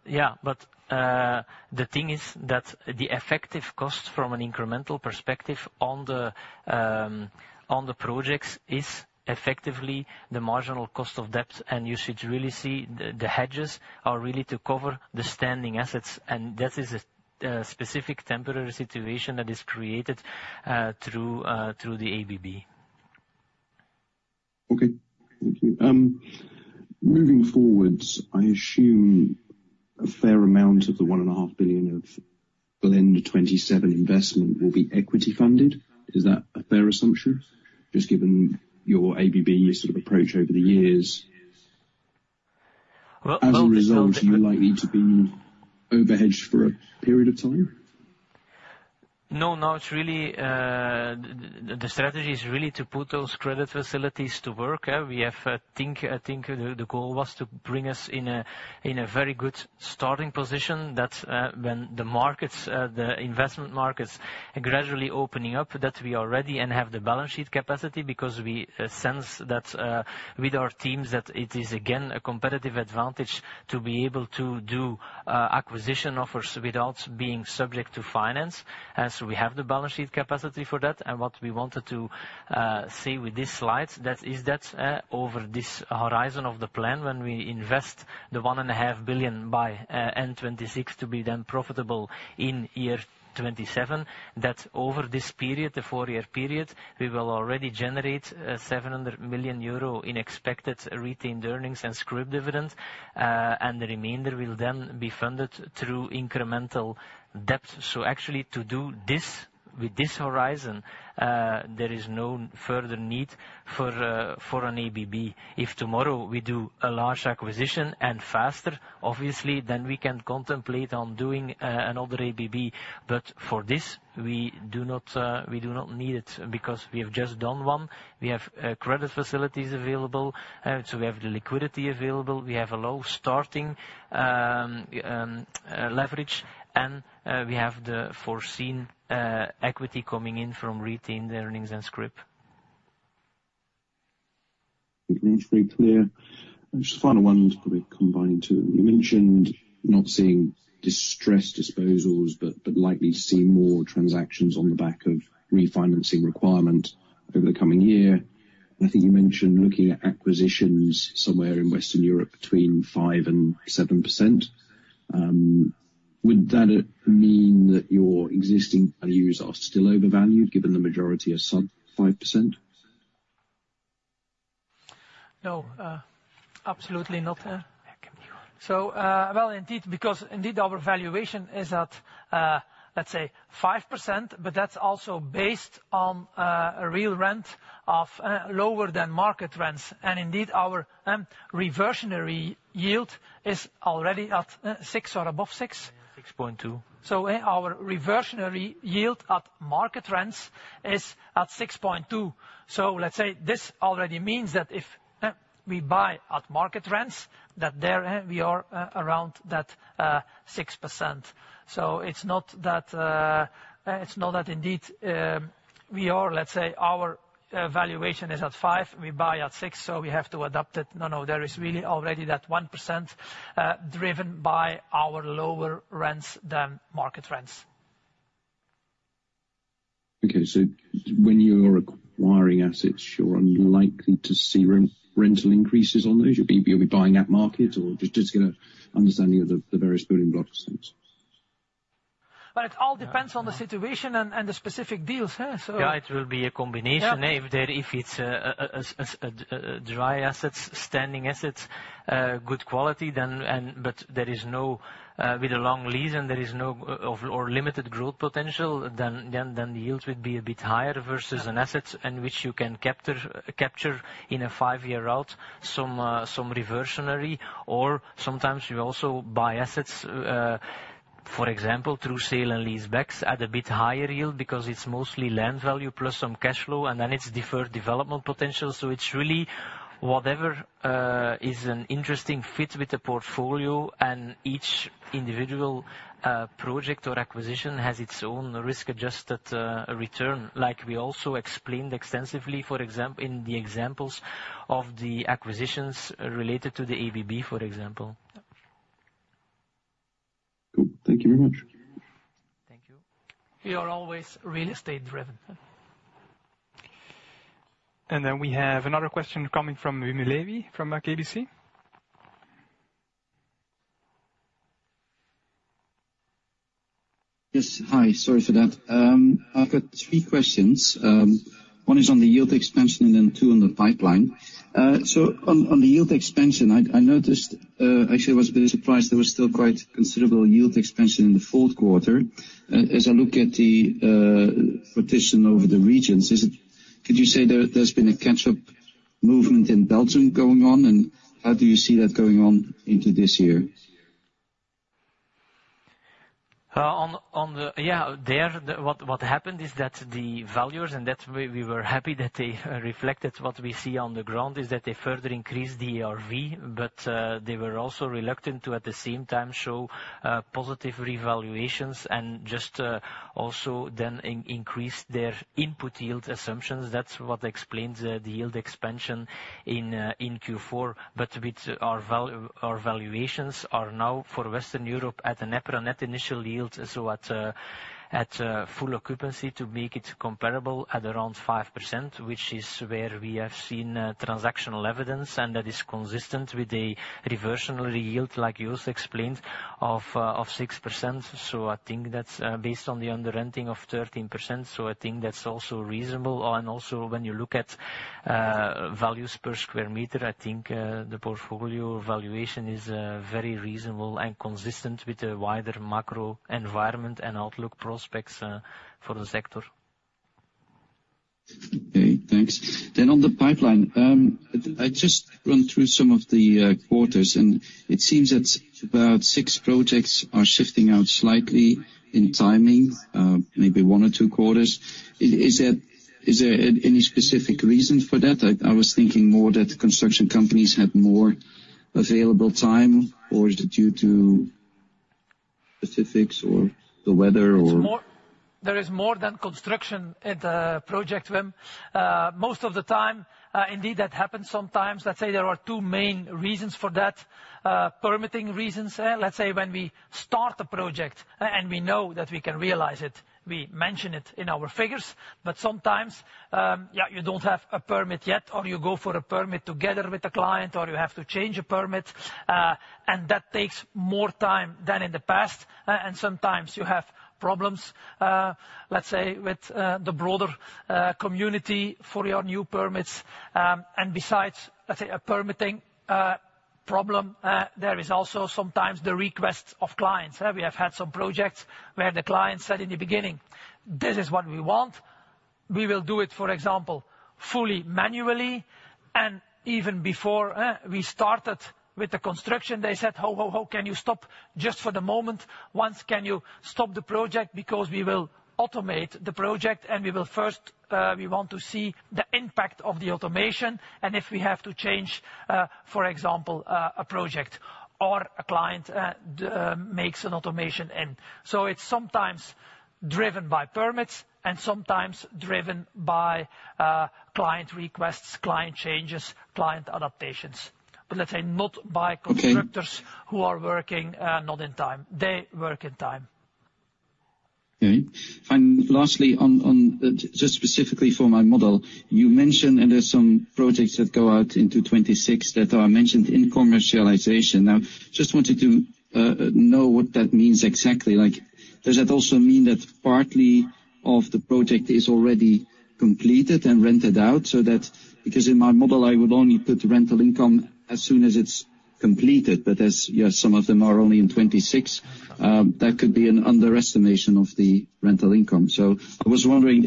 Yeah, but the thing is that the effective cost from an incremental perspective on the projects is effectively the marginal cost of debt, and you should really see the hedges are really to cover the standing assets, and that is a specific temporary situation that is created through the ABB. Okay, thank you. Moving forward, I assume a fair amount of the 1.5 billion of BLEND 2027 investment will be equity funded. Is that a fair assumption, just given your ABB sort of approach over the years? Well, well- As a result, are you likely to be overhedged for a period of time? No, no, it's really the strategy is really to put those credit facilities to work, eh? We have, I think, the goal was to bring us in a very good starting position. That's when the markets, the investment markets are gradually opening up, that we are ready and have the balance sheet capacity because we sense that with our teams, that it is again a competitive advantage to be able to do acquisition offers without being subject to finance. And so we have the balance sheet capacity for that. What we wanted to say with this slide, that is that, over this horizon of the plan, when we invest the 1.5 billion by end 2026 to be then profitable in year 2027, that over this period, the four-year period, we will already generate 700 million euro in expected retained earnings and scrip dividends, and the remainder will then be funded through incremental debt. So actually, to do this, with this horizon, there is no further need for an ABB. If tomorrow we do a large acquisition and faster, obviously, then we can contemplate on doing another ABB. But for this, we do not need it because we have just done one. We have credit facilities available, so we have the liquidity available. We have a low starting leverage, and we have the foreseen equity coming in from retained earnings and scrip. It's very clear. Just a final one to probably combine two. You mentioned not seeing distressed disposals, but likely to see more transactions on the back of refinancing requirement over the coming year. I think you mentioned looking at acquisitions somewhere in Western Europe between 5%-7%. Would that mean that your existing values are still overvalued, given the majority are sub-5%? No, absolutely not. Yeah, keep going. So, well, indeed, because indeed our valuation is at, let's say 5%, but that's also based on, a real rent of lower than market rents. And indeed, our reversionary yield is already at, six or above six. 6.2. So, our reversionary yield at market rents is at 6.2. So let's say this already means that if we buy at market rents, that there we are around that 6%. So it's not that it's not that indeed we are, let's say our valuation is at five, we buy at six, so we have to adapt it. No, no, there is really already that 1% driven by our lower rents than market rents.... Okay, so when you're acquiring assets, you're unlikely to see re-rental increases on those? You'll be buying at market, or just get an understanding of the various building blocks, sense. Well, it all depends on the situation and the specific deals, huh? So- Yeah, it will be a combination. Yeah. If it's dry assets, standing assets, good quality, then and but there is no with a long lease, and there is no or limited growth potential, then the yields would be a bit higher. Yeah versus an asset in which you can capture in a five-year route, some reversionary, or sometimes you also buy assets, for example, through sale and leasebacks at a bit higher yield, because it's mostly land value plus some cash flow, and then it's deferred development potential. So it's really whatever is an interesting fit with the portfolio, and each individual project or acquisition has its own risk-adjusted return. Like we also explained extensively, for example, in the examples of the acquisitions related to the ABB, for example. Cool. Thank you very much. Thank you. We are always real estate driven. We have another question coming from Wim Lewi, from KBC. Yes, hi. Sorry for that. I've got three questions. One is on the yield expansion and then two on the pipeline. So on the yield expansion, I noticed, actually, I was a bit surprised there was still quite considerable yield expansion in the fourth quarter. As I look at the partition over the regions, is it- could you say there, there's been a catch-up movement in Belgium going on? And how do you see that going on into this year? What happened is that the valuers, and that's why we were happy that they reflected what we see on the ground, is that they further increased the ERV. But they were also reluctant to, at the same time, show positive revaluations and just also then increase their input yield assumptions. That's what explains the yield expansion in Q4. But our valuations are now, for Western Europe, at a net initial yield, so at full occupancy, to make it comparable, at around 5%, which is where we have seen transactional evidence, and that is consistent with a reversionary yield, like Joost explained, of 6%. So I think that's based on the under renting of 13%, so I think that's also reasonable. Also, when you look at values per square meter, I think the portfolio valuation is very reasonable and consistent with the wider macro environment and outlook prospects for the sector. Okay, thanks. Then on the pipeline, I just run through some of the quarters, and it seems that about six projects are shifting out slightly in timing, maybe one or two quarters. Is, is that, is there any specific reason for that? I, I was thinking more that construction companies had more available time, or is it due to specifics or the weather, or? There is more than construction at the project, Wim. Most of the time, indeed, that happens sometimes. Let's say there are two main reasons for that. Permitting reasons. Let's say when we start a project, and we know that we can realize it, we mention it in our figures. But sometimes, yeah, you don't have a permit yet, or you go for a permit together with the client, or you have to change a permit, and that takes more time than in the past. And sometimes you have problems, let's say, with the broader community for your new permits. And besides, let's say, a permitting problem, there is also sometimes the request of clients. We have had some projects where the client said in the beginning: "This is what we want. We will do it, for example, fully, manually." And even before we started with the construction, they said, "Ho, ho, ho, can you stop just for the moment? Can you stop the project? Because we will automate the project, and we will first, we want to see the impact of the automation and if we have to change, for example, a project or a client makes an automation end." So it's sometimes driven by permits and sometimes driven by client requests, client changes, client adaptations, but let's say not by- Okay... constructors who are working, not in time. They work in time. Okay. And lastly, on just specifically for my model, you mentioned, and there's some projects that go out into 2026 that are mentioned in commercialization. Now, just wanted to know what that means exactly. Like, does that also mean that partly of the project is already completed and rented out so that... Because in my model, I would only put rental income as soon as it's completed, but as, yeah, some of them are only in 2026, that could be an underestimation of the rental income. So I was wondering,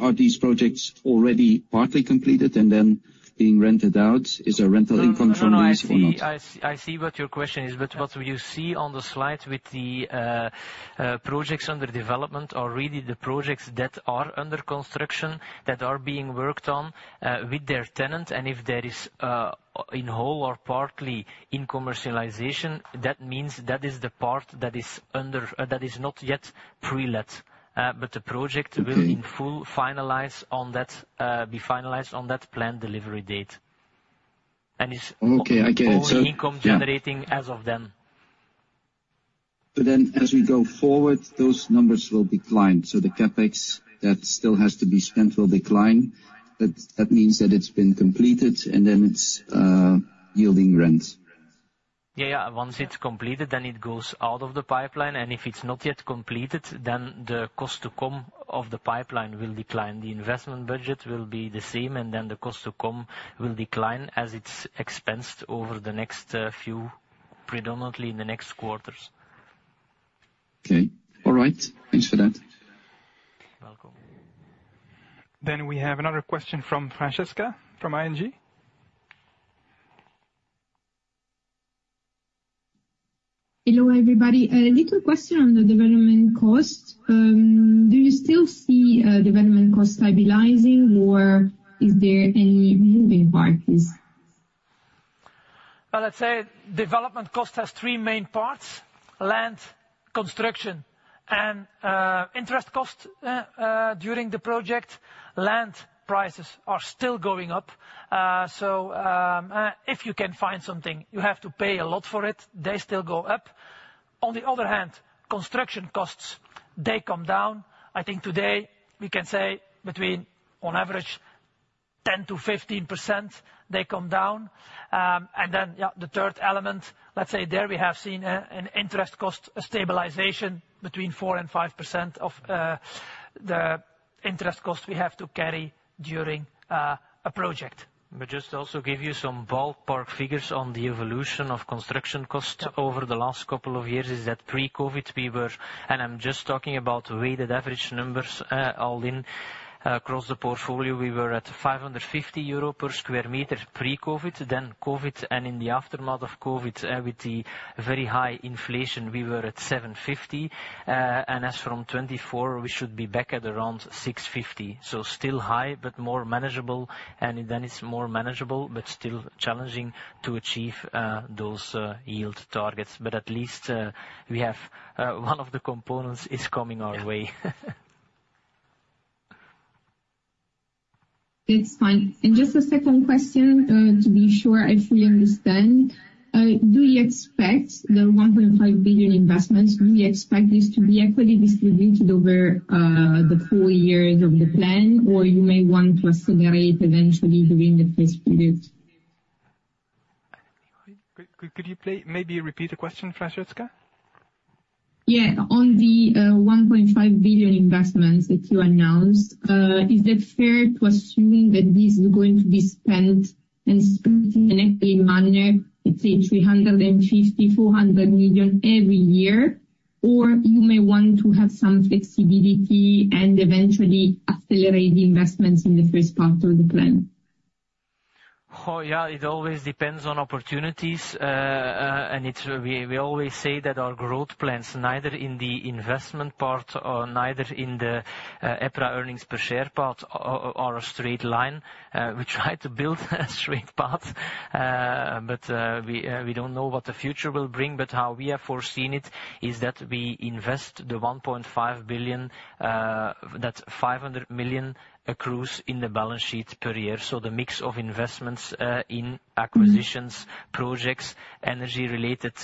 are these projects already partly completed and then being rented out? Is there rental income from these or not? No, I see, I see what your question is. But what you see on the slide with the projects under development are really the projects that are under construction, that are being worked on with their tenant. And if there is in whole or partly in commercialization, that means that is the part that is not yet pre-let. But the project- Mm-hmm... be finalized on that planned delivery date. And is- Okay, I get it. only income generating as of then.... But then as we go forward, those numbers will decline. So the CapEx that still has to be spent will decline. That means that it's been completed, and then it's yielding rents. Yeah, yeah. Once it's completed, then it goes out of the pipeline, and if it's not yet completed, then the cost to come of the pipeline will decline. The investment budget will be the same, and then the cost to come will decline as it's expensed over the next few, predominantly in the next quarters. Okay, all right. Thanks for that. Welcome. Then we have another question from Francesca, from ING. Hello, everybody. A little question on the development cost. Do you still see development costs stabilizing, or is there any moving parts? Well, let's say development cost has three main parts: land, construction, and interest cost during the project. Land prices are still going up, so if you can find something, you have to pay a lot for it. They still go up. On the other hand, construction costs, they come down. I think today we can say between on average 10%-15%, they come down. And then, yeah, the third element, let's say there we have seen an interest cost stabilization between 4% and 5% of the interest cost we have to carry during a project. But just to also give you some ballpark figures on the evolution of construction costs over the last couple of years, it's that pre-COVID, we were. And I'm just talking about weighted average numbers, all in. Across the portfolio, we were at 550 euro per square meter pre-COVID, then COVID, and in the aftermath of COVID, with the very high inflation, we were at 750. And as from 2024, we should be back at around 650. So still high, but more manageable, and then it's more manageable but still challenging to achieve those yield targets. But at least, we have one of the components is coming our way. It's fine. And just a second question, to be sure I fully understand. Do you expect the 1.5 billion investments, do you expect this to be equally distributed over the four years of the plan, or you may want to accelerate eventually during the first period? Could you please maybe repeat the question, Francesca? Yeah. On the 1.5 billion investments that you announced, is it fair to assuming that this is going to be spent and spent in an equal manner, let's say, 350 million-400 million every year? Or you may want to have some flexibility and eventually accelerate the investments in the first part of the plan? Oh, yeah, it always depends on opportunities. And we always say that our growth plans, neither in the investment part or neither in the EPRA earnings per share part, are a straight line. We try to build a straight path, but we don't know what the future will bring. But how we have foreseen it is that we invest the 1.5 billion, that's 500 million accrues in the balance sheet per year. So the mix of investments in acquisitions, projects, energy-related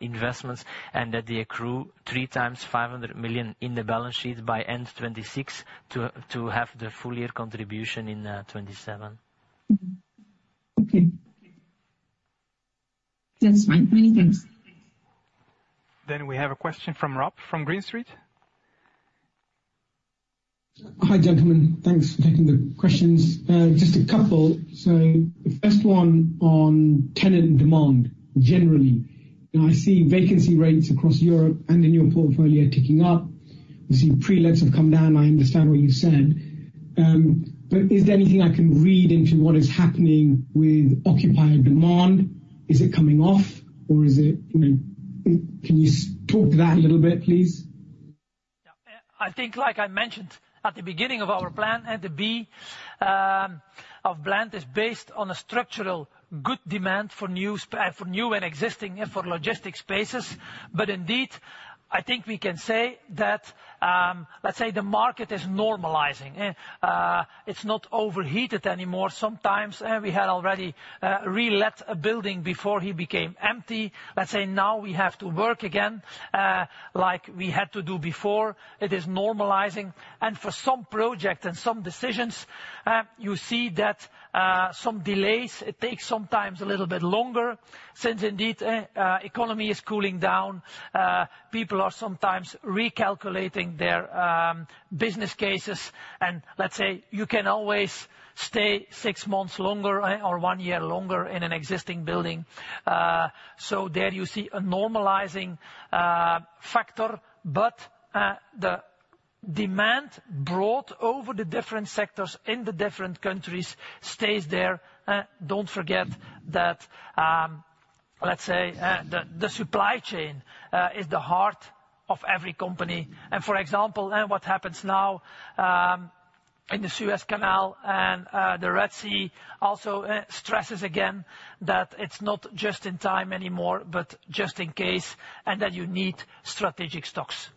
investments, and that they accrue three times 500 million in the balance sheet by end 2026 to have the full-year contribution in 2027. Mm-hmm. Okay. That's fine. Many thanks. Then we have a question from Rob, from Green Street. Hi, gentlemen. Thanks for taking the questions. Just a couple. So the first one on tenant demand, generally, I see vacancy rates across Europe and in your portfolio ticking up. You see pre-lets have come down. I understand what you said. But is there anything I can read into what is happening with occupier demand? Is it coming off or is it, you know... Can you talk to that a little bit, please? Yeah. I think, like I mentioned at the beginning of our plan, and BLEND, of plan is based on a structural good demand for new space—for new and existing and for logistics spaces. But indeed, I think we can say that, let's say the market is normalizing. It's not overheated anymore. Sometimes, we had already re-let a building before it became empty. Let's say now we have to work again, like we had to do before. It is normalizing, and for some project and some decisions, you see that, some delays, it takes sometimes a little bit longer, since indeed, economy is cooling down. People are sometimes recalculating their, business cases, and let's say, you can always stay six months longer or one year longer in an existing building. So there you see a normalizing factor, but the demand brought over the different sectors in the different countries stays there. Don't forget that, let's say, the supply chain is the heart of every company. And for example, and what happens now in the Suez Canal and the Red Sea also stresses again that it's not just in time anymore, but just in case, and that you need strategic stocks....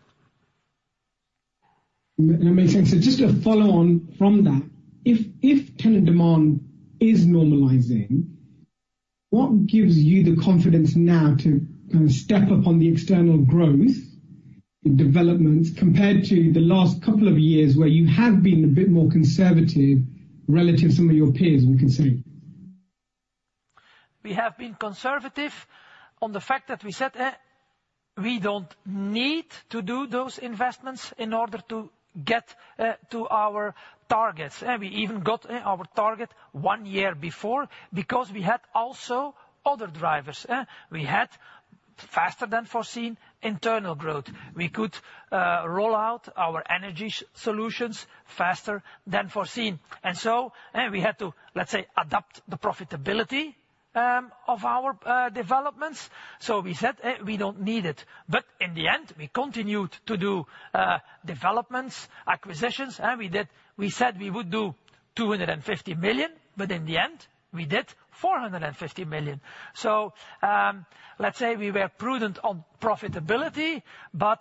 That makes sense. So just to follow on from that, if tenant demand is normalizing, what gives you the confidence now to kind of step up on the external growth in developments, compared to the last couple of years, where you have been a bit more conservative relative to some of your peers, we can say? We have been conservative on the fact that we said, we don't need to do those investments in order to get, to our targets. And we even got, our target one year before, because we had also other drivers? We had faster than foreseen internal growth. We could, roll out our energy solutions faster than foreseen. And so, we had to, let's say, adapt the profitability, of our, developments. So we said, we don't need it. But in the end, we continued to do, developments, acquisitions, and we did. We said we would do 250 million, but in the end, we did 450 million. So, let's say we were prudent on profitability, but,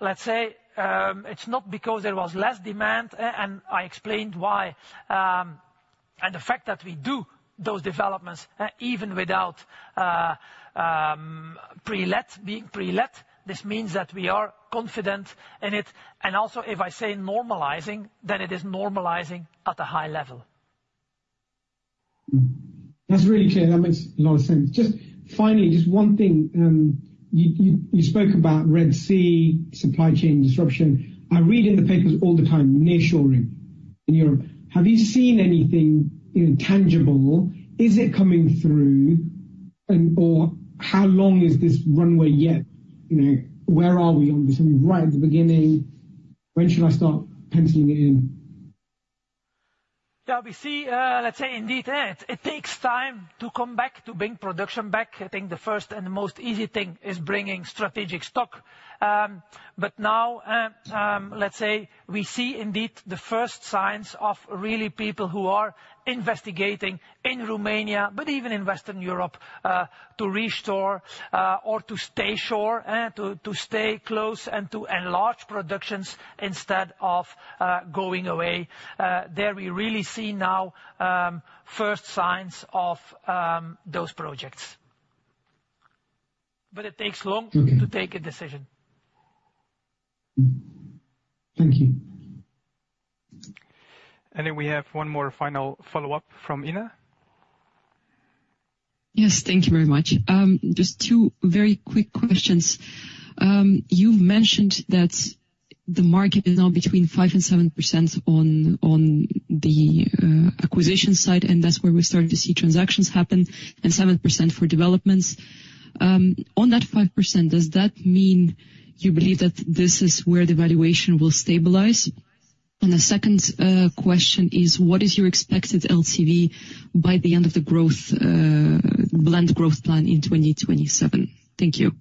let's say, it's not because there was less demand, and I explained why. And the fact that we do those developments, even without pre-let, being pre-let, this means that we are confident in it. And also, if I say normalizing, then it is normalizing at a high level. Mm-hmm. That's really clear. That makes a lot of sense. Just finally, just one thing. You spoke about Red Sea, supply chain disruption. I read in the papers all the time, nearshoring in Europe. Have you seen anything, you know, tangible? Is it coming through, and or how long is this runway yet? You know, where are we on this? Are we right at the beginning? When should I start penciling it in? Yeah, we see, let's say indeed, it takes time to come back, to bring production back. I think the first and the most easy thing is bringing strategic stock. But now, let's say we see indeed the first signs of really people who are investigating in Romania, but even in Western Europe, to reshore or to nearshore, to stay close and to enlarge productions instead of going away. There we really see now first signs of those projects. But it takes long- Okay. to take a decision. Mm-hmm. Thank you. We have one more final follow-up from Inna. Yes, thank you very much. Just two very quick questions. You mentioned that the market is now between 5%-7% on the acquisition side, and that's where we're starting to see transactions happen, and 7% for developments. On that 5%, does that mean you believe that this is where the valuation will stabilize? And the second question is, what is your expected LTV by the end of the growth, BLEND growth plan in 2027? Thank you.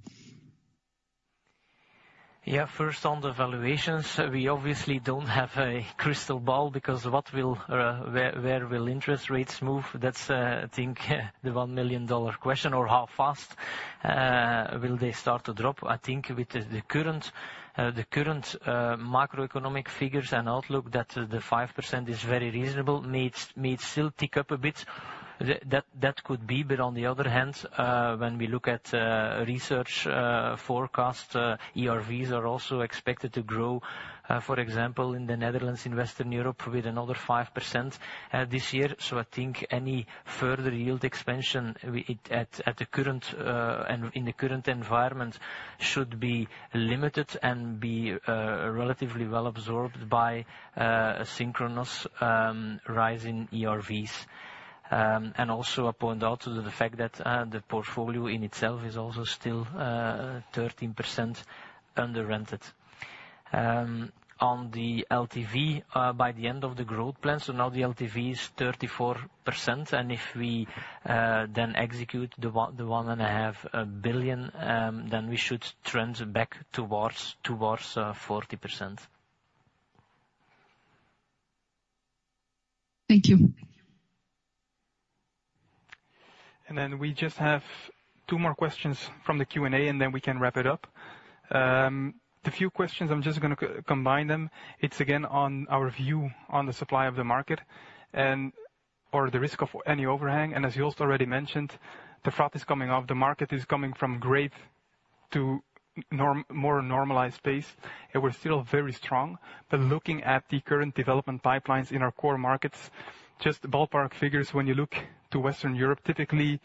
Yeah, first on the valuations, we obviously don't have a crystal ball, because what will... where will interest rates move? That's, I think, the $1 million question, or how fast will they start to drop? I think with the current macroeconomic figures and outlook, that the 5% is very reasonable. May still tick up a bit. That could be, but on the other hand, when we look at research forecast, ERVs are also expected to grow, for example, in the Netherlands, in Western Europe, with another 5% this year. So I think any further yield expansion we at the current and in the current environment, should be limited and be relatively well absorbed by a synchronous rise in ERVs. And also I point out to the fact that the portfolio in itself is also still 13% under rented. On the LTV, by the end of the growth plan, so now the LTV is 34%, and if we then execute the 1.5 billion, then we should trend back towards 40%. Thank you. And then we just have two more questions from the Q&A, and then we can wrap it up. The few questions, I'm just going to combine them. It's again on our view on the supply of the market and or the risk of any overhang. And as Joost already mentioned, the froth is coming off. The market is coming from great to more normalized pace, and we're still very strong. But looking at the current development pipelines in our core markets, just ballpark figures, when you look to Western Europe, typically,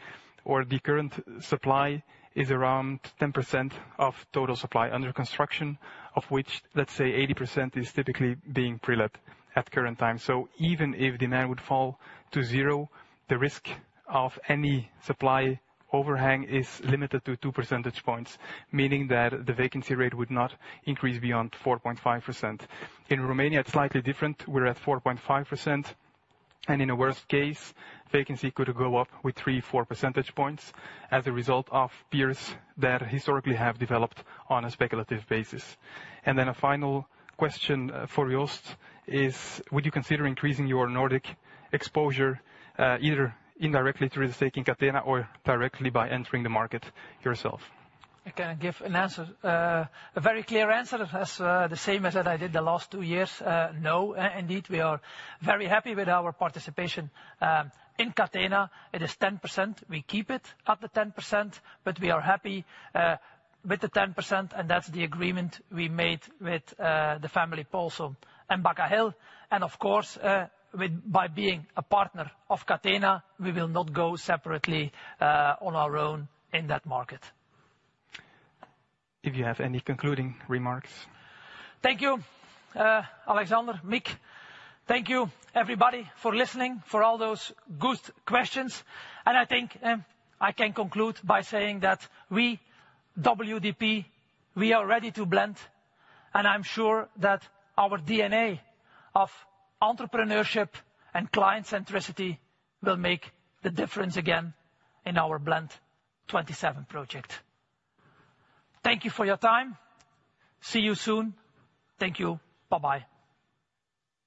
or the current supply is around 10% of total supply under construction, of which, let's say, 80% is typically being pre-let at current time. So even if demand would fall to zero, the risk of any supply overhang is limited to 2 percentage points, meaning that the vacancy rate would not increase beyond 4.5%. In Romania, it's slightly different. We're at 4.5%, and in a worst case, vacancy could go up with three, 4 percentage points as a result of peers that historically have developed on a speculative basis. And then a final question for Joost is: would you consider increasing your Nordic exposure, either indirectly through the stake in Catena or directly by entering the market yourself? I can give an answer, a very clear answer. That's, the same as I did the last two years. No. Indeed, we are very happy with our participation in Catena. It is 10%. We keep it at the 10%, but we are happy with the 10%, and that's the agreement we made with the family Paulsson and Backahill. And of course, with by being a partner of Catena, we will not go separately on our own in that market. If you have any concluding remarks? Thank you, Alexander, Mick. Thank you, everybody, for listening, for all those good questions, and I think I can conclude by saying that we, WDP, we are ready to BLEND, and I'm sure that our DNA of entrepreneurship and client centricity will make the difference again in our BLEND 2027 project. Thank you for your time. See you soon. Thank you. Bye-bye!